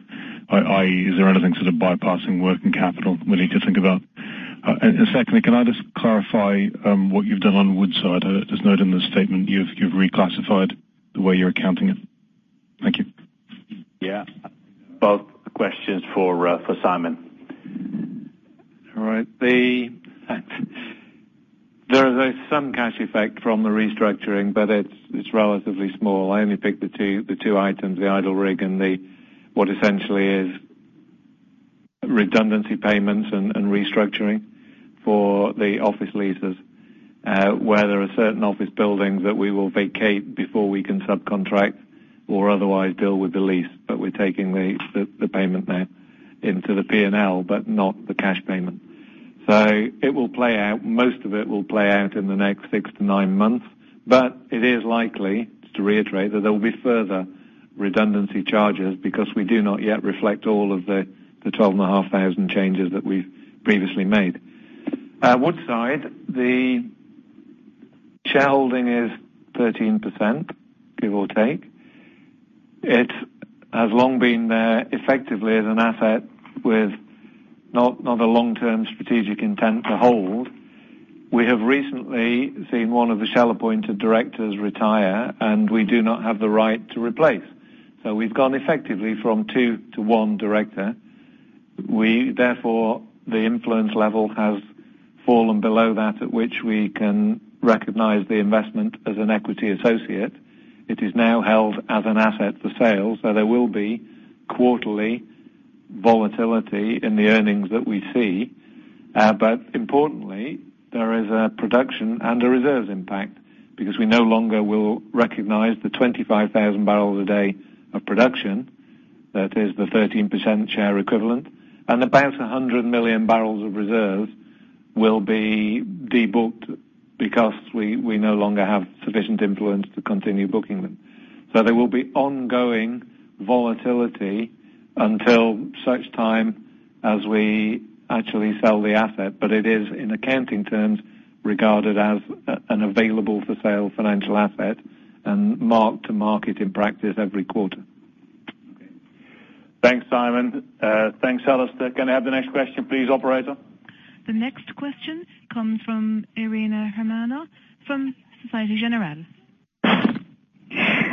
i.e., is there anything sort of bypassing working capital we need to think about? Secondly, can I just clarify, what you've done on Woodside? I just note in the statement you've reclassified the way you're accounting it. Thank you. Yeah. Both questions for Simon. All right. There is some cash effect from the restructuring, but it's relatively small. I only picked the two items, the idle rig and what essentially is redundancy payments and restructuring for the office leases, where there are certain office buildings that we will vacate before we can subcontract or otherwise deal with the lease. We're taking the payment there into the P&L, but not the cash payment. It will play out. Most of it will play out in the next six to nine months. It is likely, just to reiterate, that there will be further redundancy charges because we do not yet reflect all of the 12,500 changes that we've previously made. Woodside, the shareholding is 13%, give or take. It has long been there effectively as an asset with not a long-term strategic intent to hold. We have recently seen one of the Shell-appointed directors retire, we do not have the right to replace. We've gone effectively from two to one director. Therefore, the influence level has fallen below that at which we can recognize the investment as an equity associate. It is now held as an asset for sale. There will be quarterly volatility in the earnings that we see. Importantly, there is a production and a reserves impact because we no longer will recognize the 25,000 barrels a day of production. That is the 13% share equivalent. About 100 million barrels of reserves will be de-booked because we no longer have sufficient influence to continue booking them. There will be ongoing volatility until such time as we actually sell the asset. It is, in accounting terms, regarded as an available-for-sale financial asset and marked to market in practice every quarter. Okay. Thanks, Simon. Thanks, Alastair. Can I have the next question please, operator? The next question comes from Irene Himona from Societe Generale.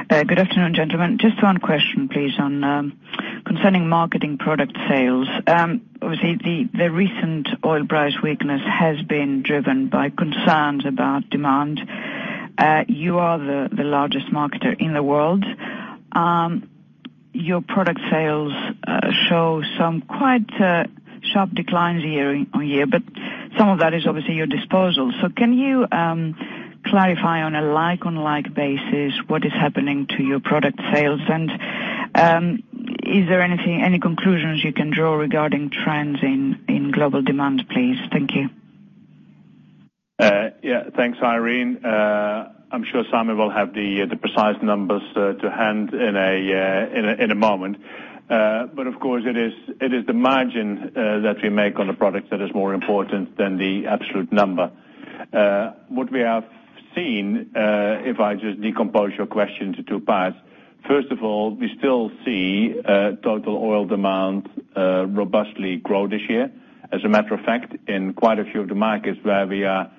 Good afternoon, gentlemen. Just one question, please, concerning marketing product sales. Obviously, the recent oil price weakness has been driven by concerns about demand. You are the largest marketer in the world. Your product sales show some quite sharp declines year-on-year, but some of that is obviously your disposal. Can you clarify on a like-on-like basis what is happening to your product sales? Is there any conclusions you can draw regarding trends in global demand, please? Thank you. Yeah. Thanks, Irene. I'm sure Simon will have the precise numbers to hand in a moment. Of course it is the margin that we make on a product that is more important than the absolute number. What we have seen, if I just decompose your question to two parts. First of all, we still see total oil demand robustly grow this year. As a matter of fact, in quite a few of the markets where we are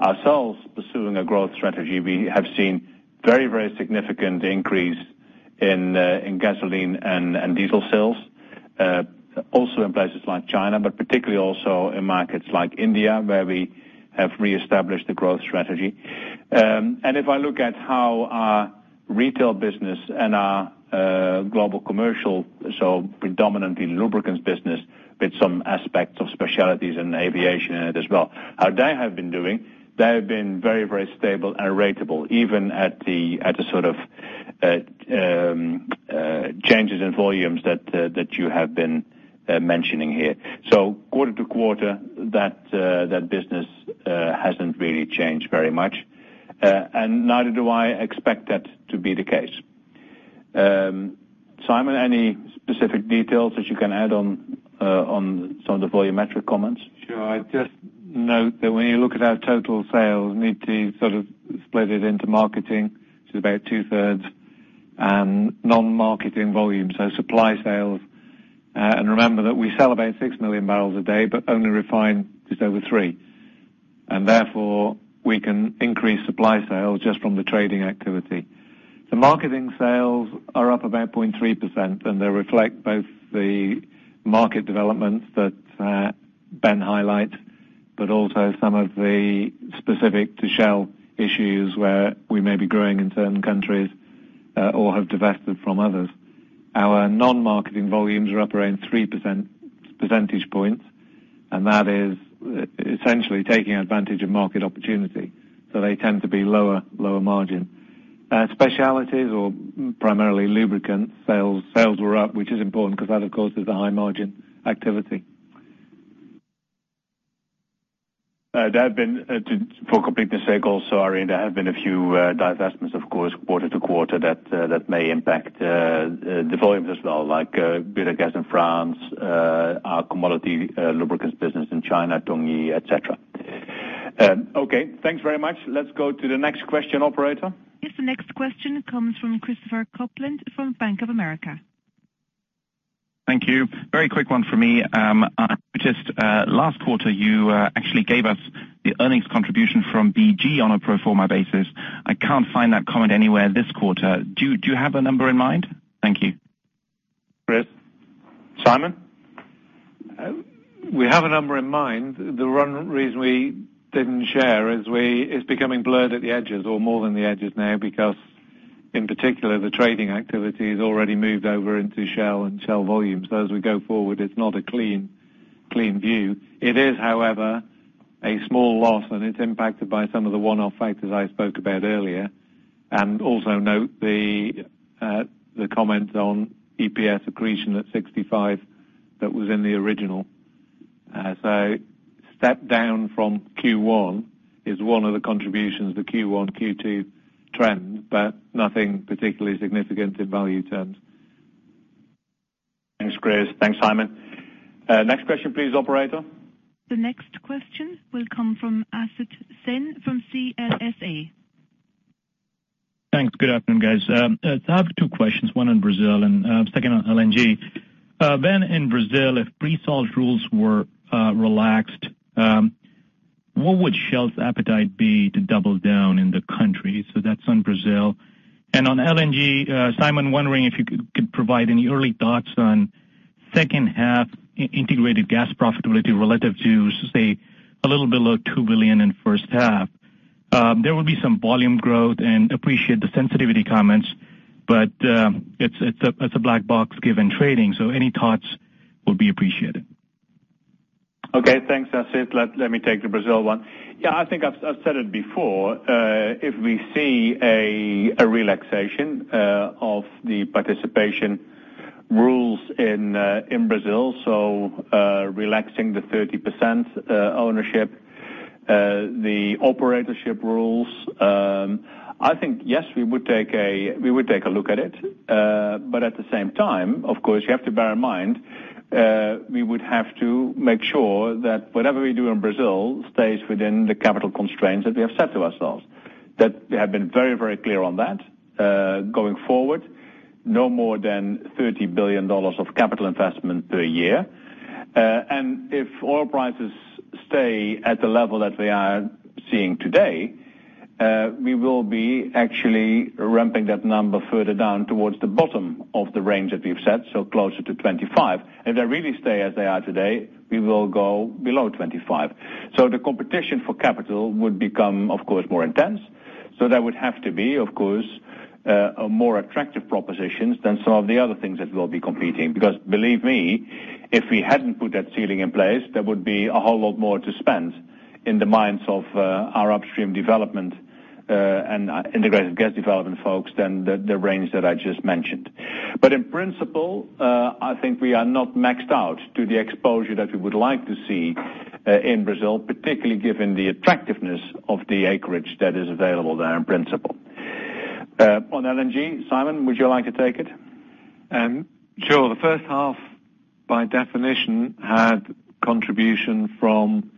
ourselves pursuing a growth strategy, we have seen very significant increase in gasoline and diesel sales. Also in places like China, but particularly also in markets like India, where we have reestablished the growth strategy. If I look at how our retail business and our global commercial, so predominantly lubricants business, with some aspects of specialties and aviation in it as well, how they have been doing, they have been very stable and ratable, even at the sort of changes in volumes that you have been mentioning here. Quarter-to-quarter, that business hasn't really changed very much. Neither do I expect that to be the case. Simon, any specific details that you can add on some of the volumetric comments? Sure. I just note that when you look at our total sales, need to split it into marketing to about two-thirds and non-marketing volume. Supply sales. Remember that we sell about six million barrels a day, but only refine just over three. Therefore, we can increase supply sales just from the trading activity. The marketing sales are up about 0.3% and they reflect both the market developments that Ben highlights, but also some of the specific to Shell issues where we may be growing in certain countries or have divested from others. Our non-marketing volumes are up around 3% percentage points, that is essentially taking advantage of market opportunity. They tend to be lower margin. Specialties or primarily lubricant sales were up, which is important because that, of course, is a high margin activity. For completeness sake also, there have been a few divestments, of course, quarter to quarter that may impact the volumes as well, like Butagaz in France, our commodity lubricants business in China, Tongyi, et cetera. Thanks very much. Let's go to the next question, operator. The next question comes from Christopher Kuplent from Bank of America. Thank you. Very quick one from me. I noticed last quarter you actually gave us the earnings contribution from BG on a pro forma basis. I can't find that comment anywhere this quarter. Do you have a number in mind? Thank you. Chris. Simon? We have a number in mind. The one reason we didn't share is it's becoming blurred at the edges or more than the edges now because, in particular, the trading activity has already moved over into Shell and Shell volumes. As we go forward, it's not a clean view. It is, however, a small loss, and it's impacted by some of the one-off factors I spoke about earlier. Also note the comment on EPS accretion at $65 that was in the original. Step down from Q1 is one of the contributions to Q1, Q2 trends, but nothing particularly significant in value terms. Thanks, Chris. Thanks, Simon. Next question please, operator. The next question will come from Asit Sen from CLSA. Thanks. Good afternoon, guys. I have two questions, one on Brazil and second on LNG. Ben, in Brazil, if pre-salt rules were relaxed, what would Shell's appetite be to double down in the country? That's on Brazil. On LNG, Simon, wondering if you could provide any early thoughts on second half integrated gas profitability relative to, say, a little below $2 billion in the first half. There will be some volume growth and appreciate the sensitivity comments, but it's a black box given trading. Any thoughts would be appreciated. Okay, thanks, Asit. Let me take the Brazil one. Yeah, I think I've said it before. If we see a relaxation of the participation rules in Brazil, so relaxing the 30% ownership, the operatorship rules, I think, yes, we would take a look at it. At the same time, of course, you have to bear in mind, we would have to make sure that whatever we do in Brazil stays within the capital constraints that we have set to ourselves. That we have been very clear on that. Going forward, no more than $30 billion of capital investment per year. If oil prices stay at the level that we are seeing today, we will be actually ramping that number further down towards the bottom of the range that we've set, so closer to 25. If they really stay as they are today, we will go below 25. The competition for capital would become, of course, more intense. There would have to be, of course, a more attractive propositions than some of the other things that we'll be competing. Believe me, if we hadn't put that ceiling in place, there would be a whole lot more to spend in the minds of our upstream development and integrated gas development folks than the range that I just mentioned. In principle, I think we are not maxed out to the exposure that we would like to see in Brazil, particularly given the attractiveness of the acreage that is available there in principle. On LNG, Simon, would you like to take it? Sure. The first half, by definition, had contribution from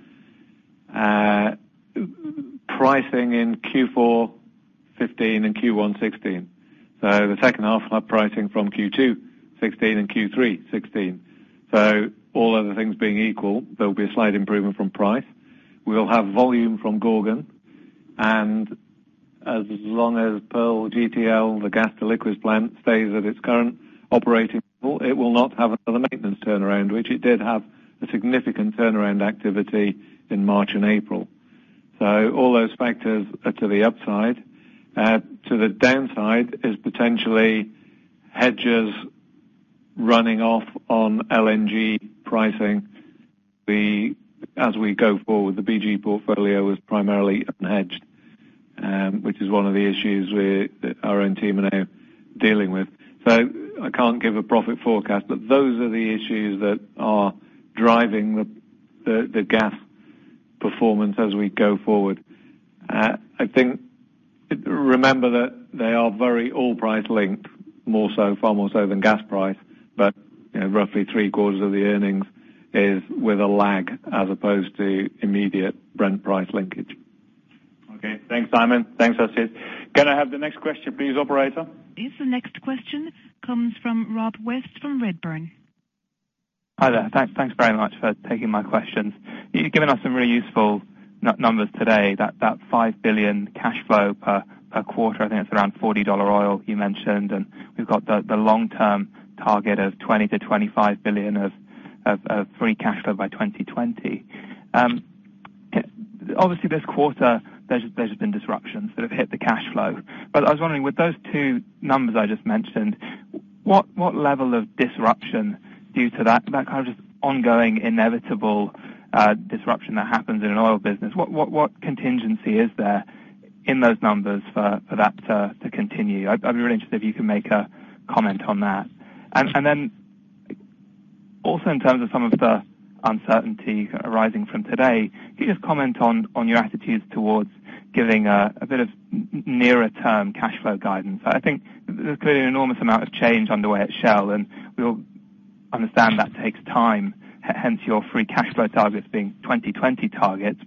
pricing in Q4 2015 and Q1 2016. The second half had pricing from Q2 2016 and Q3 2016. All other things being equal, there'll be a slight improvement from price. We'll have volume from Gorgon. As long as Pearl GTL, the gas to liquids plant, stays at its current operating level, it will not have another maintenance turnaround, which it did have a significant turnaround activity in March and April. All those factors are to the upside. To the downside is potentially hedges running off on LNG pricing. As we go forward, the BG portfolio was primarily unhedged, which is one of the issues our own team are now dealing with. I can't give a profit forecast, but those are the issues that are driving the gas performance as we go forward. Remember that they are very oil price-linked, far more so than gas price, but roughly three-quarters of the earnings is with a lag as opposed to immediate Brent price linkage. Okay. Thanks, Simon. Thanks, Asit. Can I have the next question please, operator? The next question comes from Rob West from Redburn. Hi there. Thanks very much for taking my questions. You've given us some really useful numbers today, that $5 billion cash flow per quarter, I think it's around $40 oil you mentioned, and we've got the long-term target of $20 billion-$25 billion of free cash flow by 2020. Obviously, this quarter, there's just been disruptions that have hit the cash flow. I was wondering, with those two numbers I just mentioned, what level of disruption due to that kind of just ongoing, inevitable disruption that happens in an oil business? What contingency is there in those numbers for that to continue? I'd be really interested if you could make a comment on that. Also in terms of some of the uncertainty arising from today, can you just comment on your attitudes towards giving a bit of nearer term cash flow guidance? I think there's clearly an enormous amount of change underway at Shell, and we all understand that takes time, hence your free cash flow targets being 2020 targets.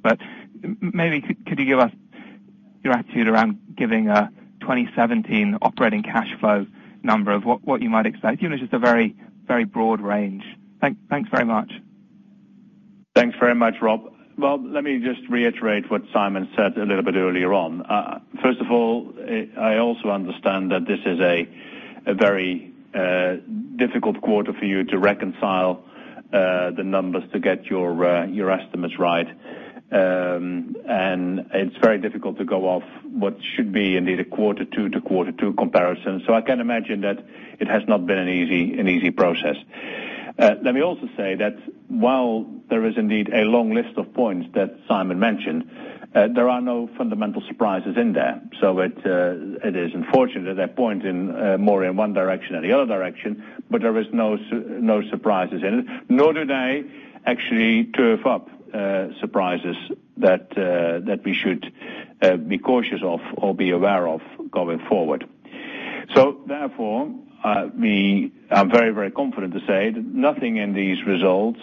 Maybe could you give us your attitude around giving a 2017 operating cash flow number of what you might expect? Even if just a very broad range. Thanks very much. Thanks very much, Rob. Well, let me just reiterate what Simon said a little bit earlier on. First of all, I also understand that this is a very difficult quarter for you to reconcile the numbers to get your estimates right. It's very difficult to go off what should be indeed a quarter two to quarter two comparison. I can imagine that it has not been an easy process. Let me also say that while there is indeed a long list of points that Simon mentioned, there are no fundamental surprises in there. It is unfortunate that they point more in one direction than the other direction, but there is no surprises in it, nor do they actually turf up surprises that we should be cautious of or be aware of going forward. Therefore, I'm very, very confident to say that nothing in these results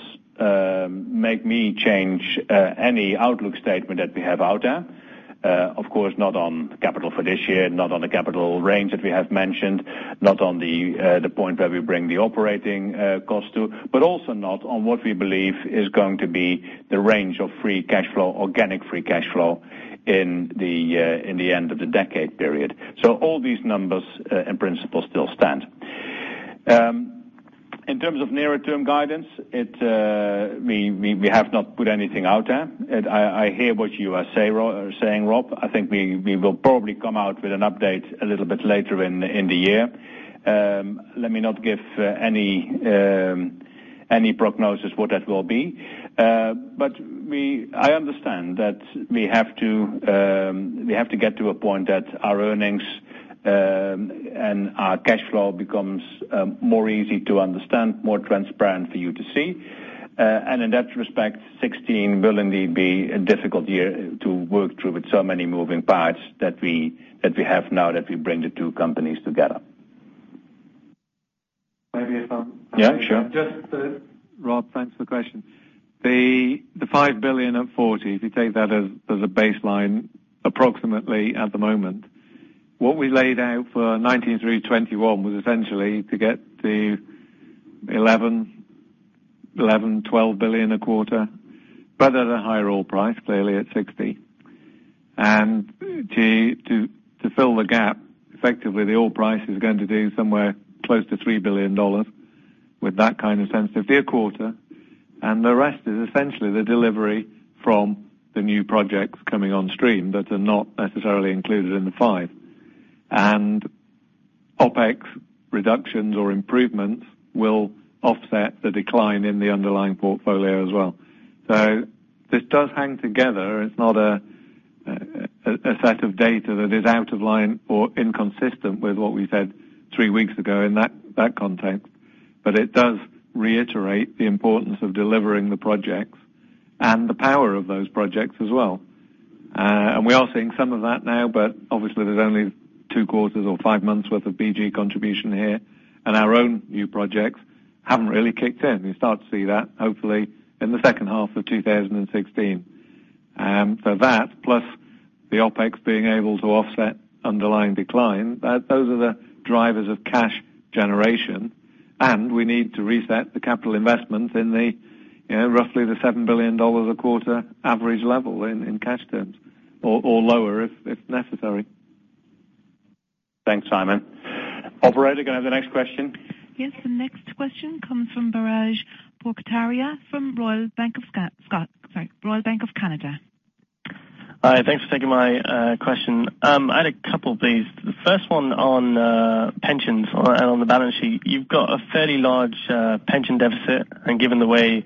make me change any outlook statement that we have out there. Of course, not on capital for this year, not on the capital range that we have mentioned, not on the point where we bring the operating cost to, but also not on what we believe is going to be the range of free cash flow, organic free cash flow in the end of the decade period. All these numbers in principle still stand. In terms of nearer term guidance, we have not put anything out there. I hear what you are saying, Rob. I think we will probably come out with an update a little bit later in the year. Let me not give any prognosis what that will be. I understand that we have to get to a point that our earnings and our cash flow becomes more easy to understand, more transparent for you to see. In that respect, 2016 will indeed be a difficult year to work through with so many moving parts that we have now that we bring the two companies together. Maybe if I may. Yeah, sure. Rob, thanks for the question. The $5 billion at 40, if you take that as a baseline, approximately at the moment, what we laid out for 2019 through 2021 was essentially to get to $11 billion-$12 billion a quarter, but at a higher oil price, clearly at 60. To fill the gap, effectively, the oil price is going to do somewhere close to $3 billion with that kind of sense of per quarter. The rest is essentially the delivery from the new projects coming on stream that are not necessarily included in the five. OpEx reductions or improvements will offset the decline in the underlying portfolio as well. This does hang together. It's not a set of data that is out of line or inconsistent with what we said three weeks ago in that context. It does reiterate the importance of delivering the projects and the power of those projects as well. We are seeing some of that now, but obviously, there's only two quarters or five months worth of BG contribution here, and our own new projects haven't really kicked in. You'll start to see that hopefully in the second half of 2016. That, plus the OpEx being able to offset underlying decline, those are the drivers of cash generation. We need to reset the capital investment in roughly the $7 billion a quarter average level in cash terms or lower, if necessary. Thanks, Simon. Operator, can I have the next question? Yes, the next question comes from Biraj Borkhataria from Royal Bank of Canada. Hi. Thanks for taking my question. I had a couple, please. The first one on pensions and on the balance sheet. You've got a fairly large pension deficit, and given the way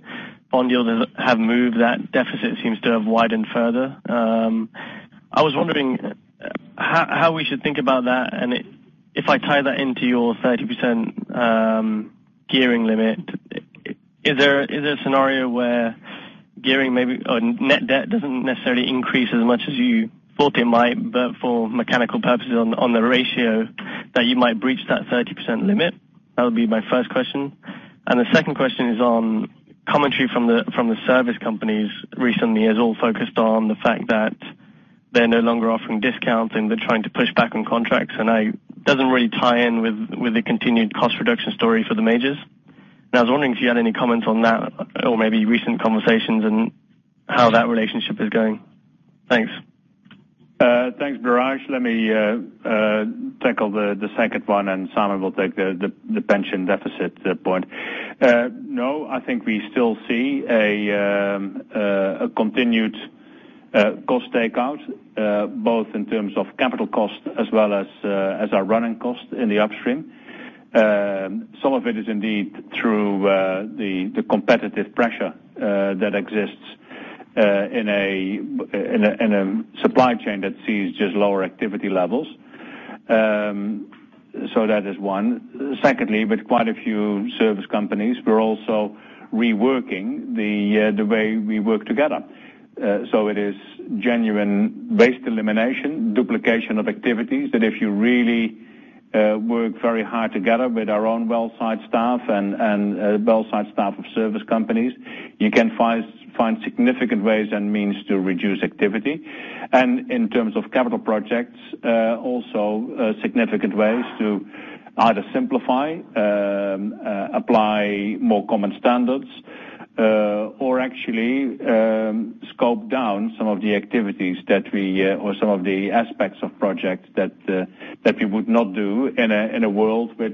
bond yields have moved, that deficit seems to have widened further. I was wondering how we should think about that, and if I tie that into your 30% gearing limit, is there a scenario where net debt doesn't necessarily increase as much as you thought it might, but for mechanical purposes on the ratio that you might breach that 30% limit? That would be my first question. The second question is on commentary from the service companies recently has all focused on the fact that they're no longer offering discounts and they're trying to push back on contracts, and it doesn't really tie in with the continued cost reduction story for the majors. I was wondering if you had any comments on that or maybe recent conversations and how that relationship is going. Thanks. Thanks, Biraj. Let me tackle the second one, and Simon will take the pension deficit point. No, I think we still see a continued cost takeout, both in terms of capital cost as well as our running cost in the upstream. That is one. Secondly, with quite a few service companies, we're also reworking the way we work together. It is genuine waste elimination, duplication of activities, that if you really work very hard together with our own well site staff and well site staff of service companies, you can find significant ways and means to reduce activity. In terms of capital projects, also significant ways to either simplify, apply more common standards, or actually scope down some of the activities or some of the aspects of projects that we would not do in a world where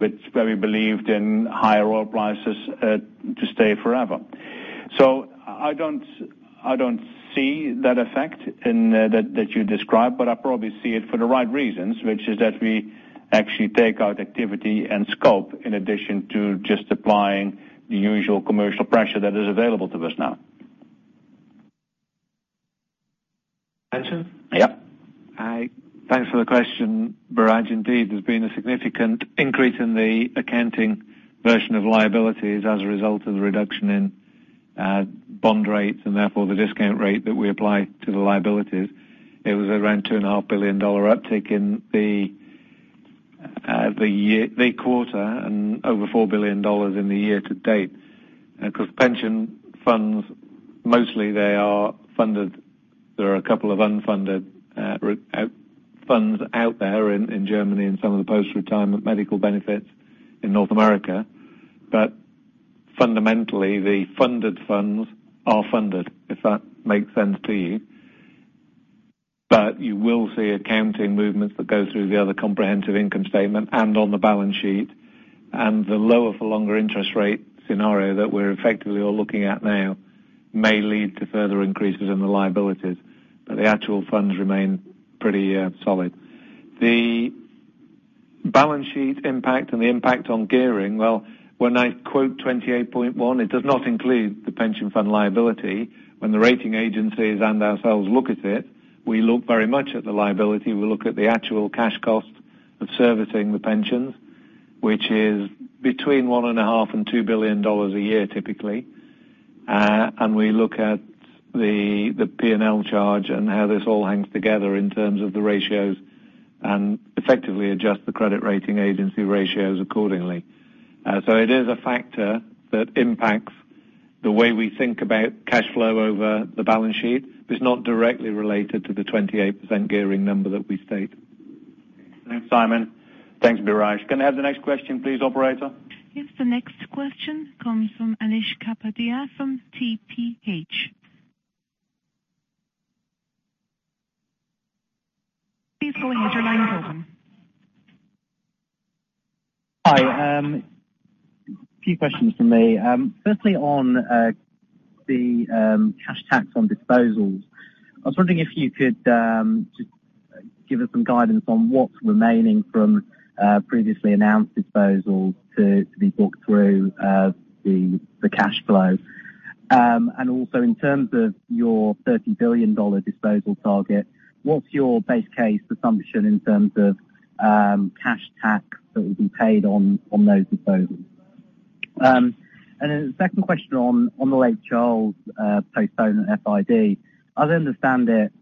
we believed in higher oil prices to stay forever. I don't see that effect that you describe, but I probably see it for the right reasons, which is that we actually take out activity and scope in addition to just applying the usual commercial pressure that is available to us now. Pension? Yep. Thanks for the question, Biraj. Indeed, there's been a significant increase in the accounting version of liabilities as a result of the reduction in bond rates, and therefore the discount rate that we apply to the liabilities. It was around a $2.5 billion uptick in the quarter and over $4 billion in the year to date. Pension funds, mostly they are funded. There are a couple of unfunded funds out there in Germany and some of the post-retirement medical benefits in North America. Fundamentally, the funded funds are funded, if that makes sense to you. You will see accounting movements that go through the other comprehensive income statement and on the balance sheet. The lower for longer interest rate scenario that we're effectively all looking at now may lead to further increases in the liabilities. The actual funds remain pretty solid. The balance sheet impact and the impact on gearing, well, when I quote 28.1, it does not include the pension fund liability. When the rating agencies and ourselves look at it, we look very much at the liability. We look at the actual cash cost of servicing the pensions, which is between $1.5 billion-$2 billion a year, typically. We look at the P&L charge and how this all hangs together in terms of the ratios, and effectively adjust the credit rating agency ratios accordingly. It is a factor that impacts the way we think about cash flow over the balance sheet, but it's not directly related to the 28% gearing number that we state. Thanks, Simon. Thanks, Biraj. Can I have the next question please, operator? The next question comes from Anish Kapadia from TPH. Please go ahead, your line's open. Hi. A few questions from me. Firstly, on the cash tax on disposals. I was wondering if you could just give us some guidance on what's remaining from previously announced disposals to be booked through the cash flow. Also, in terms of your $30 billion disposal target, what's your base case assumption in terms of cash tax that will be paid on those disposals? The second question on the Lake Charles postponement FID. As I understand it,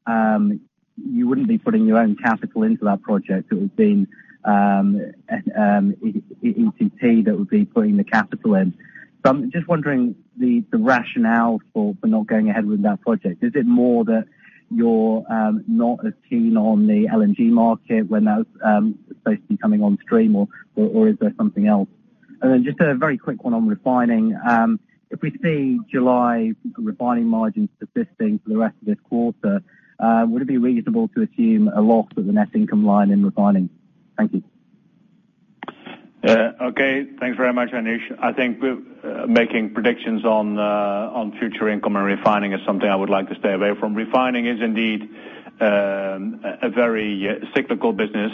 you wouldn't be putting your own capital into that project. It would be ETE that would be putting the capital in. I'm just wondering the rationale for not going ahead with that project. Is it more that you're not as keen on the LNG market when that's supposed to be coming on stream, or is there something else? Just a very quick one on refining. If we see July refining margins persisting for the rest of this quarter, would it be reasonable to assume a loss of the net income line in refining? Thank you. Okay. Thanks very much, Anish. I think making predictions on future income and refining is something I would like to stay away from. Refining is indeed a very cyclical business.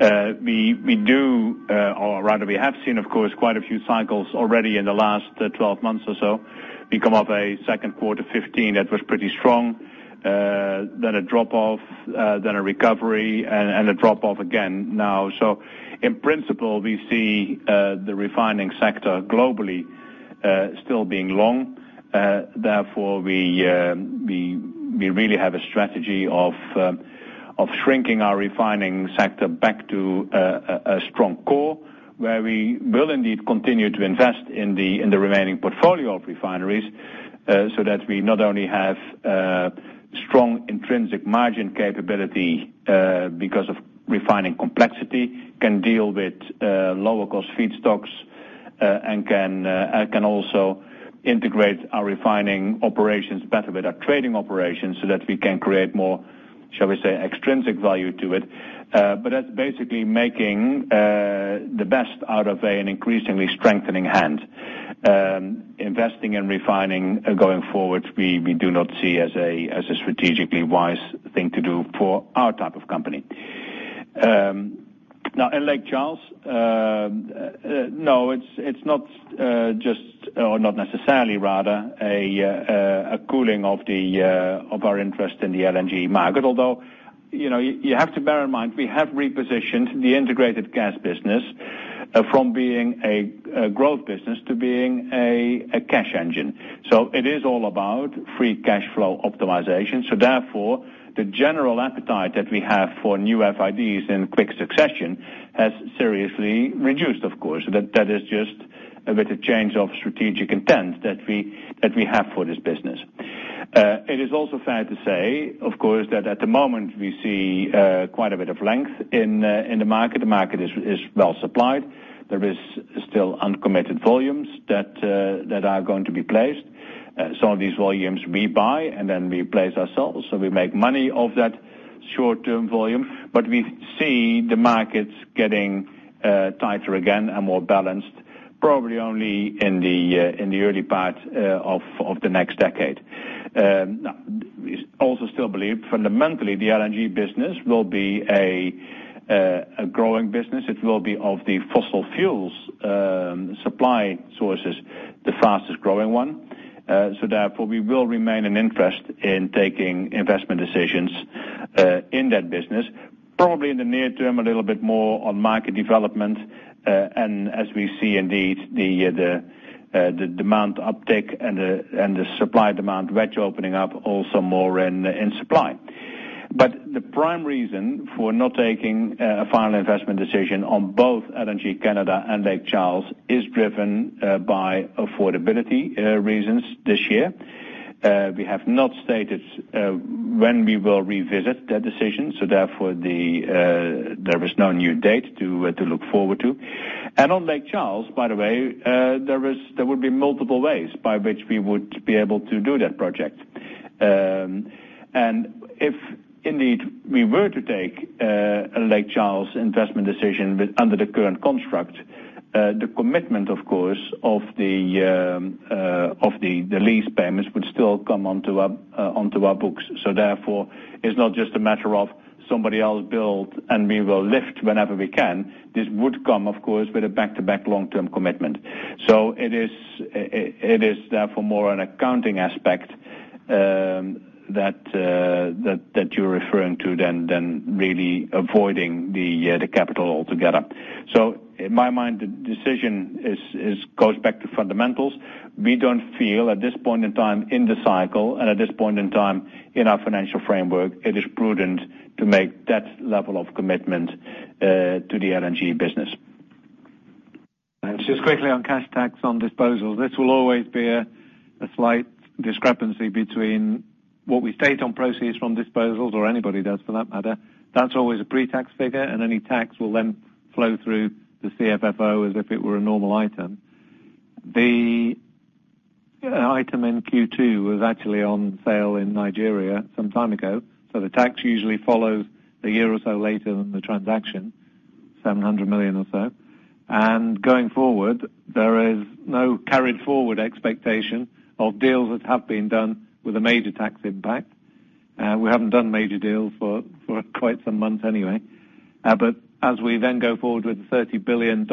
We do, or rather we have seen, of course, quite a few cycles already in the last 12 months or so. We come off a second quarter 2015 that was pretty strong, then a drop off, then a recovery, and a drop off again now. In principle, we see the refining sector globally still being long. We really have a strategy of shrinking our refining sector back to a strong core, where we will indeed continue to invest in the remaining portfolio of refineries, so that we not only have strong intrinsic margin capability because of refining complexity, can deal with lower cost feedstocks, and can also integrate our refining operations better with our trading operations so that we can create more, shall we say, extrinsic value to it. That's basically making the best out of an increasingly strengthening hand. Investing in refining going forward, we do not see as a strategically wise thing to do for our type of company. In Lake Charles, no, it's not just, or not necessarily, rather, a cooling of our interest in the LNG market. You have to bear in mind, we have repositioned the integrated gas business from being a growth business to being a cash engine. It is all about free cash flow optimization. The general appetite that we have for new FIDs in quick succession has seriously reduced, of course. That is just with a change of strategic intent that we have for this business. It is also fair to say, of course, that at the moment, we see quite a bit of length in the market. The market is well supplied. There is still uncommitted volumes that are going to be placed. Some of these volumes we buy and then we place ourselves, so we make money off that short-term volume. We see the markets getting tighter again and more balanced probably only in the early part of the next decade. We also still believe fundamentally the LNG business will be a growing business. It will be of the fossil fuels supply sources, the fastest growing one. We will remain an interest in taking investment decisions in that business, probably in the near term, a little bit more on market development, and as we see indeed, the demand uptick and the supply demand wedge opening up also more in supply. The prime reason for not taking a final investment decision on both LNG Canada and Lake Charles is driven by affordability reasons this year. We have not stated when we will revisit that decision, so therefore there is no new date to look forward to. On Lake Charles, by the way, there will be multiple ways by which we would be able to do that project. If indeed we were to take a Lake Charles investment decision under the current construct, the commitment, of course, of the lease payments would still come onto our books. It's not just a matter of somebody else build and we will lift whenever we can. This would come, of course, with a back-to-back long-term commitment. It is therefore more an accounting aspect that you're referring to than really avoiding the capital altogether. In my mind, the decision goes back to fundamentals. We don't feel at this point in time in the cycle and at this point in time in our financial framework, it is prudent to make that level of commitment to the LNG business. Just quickly on cash tax on disposals. This will always be a slight discrepancy between what we state on proceeds from disposals or anybody does for that matter. That's always a pre-tax figure, and any tax will then flow through the CFFO as if it were a normal item. The item in Q2 was actually on sale in Nigeria some time ago, so the tax usually follows a year or so later than the transaction, $700 million or so. Going forward, there is no carried forward expectation of deals that have been done with a major tax impact. We haven't done major deals for quite some months anyway. As we then go forward with the $30 billion,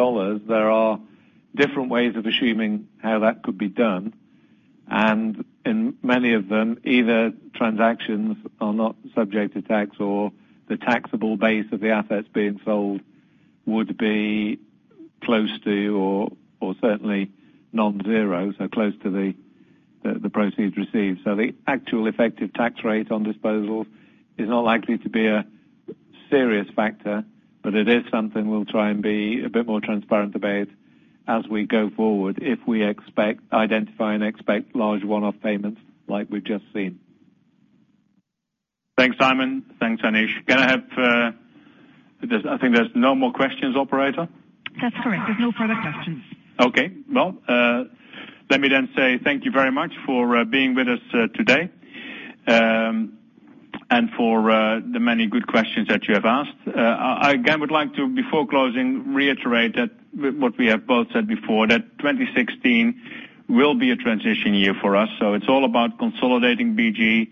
there are different ways of assuming how that could be done. In many of them, either transactions are not subject to tax or the taxable base of the assets being sold would be close to or certainly non-zero, so close to the proceeds received. The actual effective tax rate on disposals is not likely to be a serious factor, but it is something we'll try and be a bit more transparent about as we go forward, if we identify and expect large one-off payments like we've just seen. Thanks, Simon. Thanks, Anish. I think there's no more questions, operator? That's correct. There's no further questions. Okay. Well, let me then say thank you very much for being with us today, and for the many good questions that you have asked. I, again, would like to, before closing, reiterate what we have both said before, that 2016 will be a transition year for us. It's all about consolidating BG.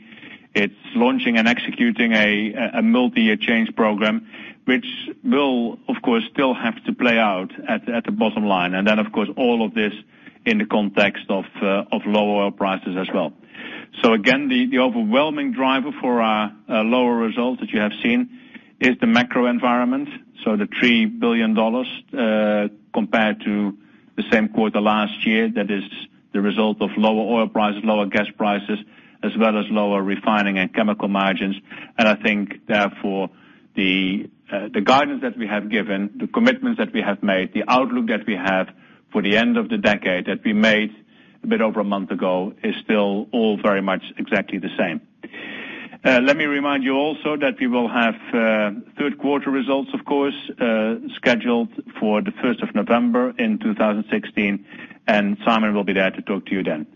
It's launching and executing a multi-year change program, which will, of course, still have to play out at the bottom line. Of course, all of this in the context of low oil prices as well. Again, the overwhelming driver for our lower result that you have seen is the macro environment. The $3 billion compared to the same quarter last year, that is the result of lower oil prices, lower gas prices, as well as lower refining and chemical margins. I think, therefore, the guidance that we have given, the commitments that we have made, the outlook that we have for the end of the decade that we made a bit over a month ago, is still all very much exactly the same. Let me remind you also that we will have third quarter results, of course, scheduled for the 1st of November in 2016, and Simon will be there to talk to you then.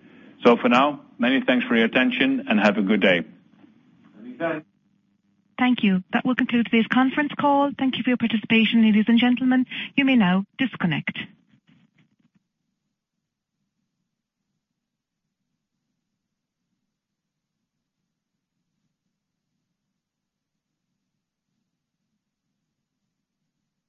For now, many thanks for your attention, and have a good day. Many thanks. Thank you. That will conclude today's conference call. Thank you for your participation, ladies and gentlemen. You may now disconnect.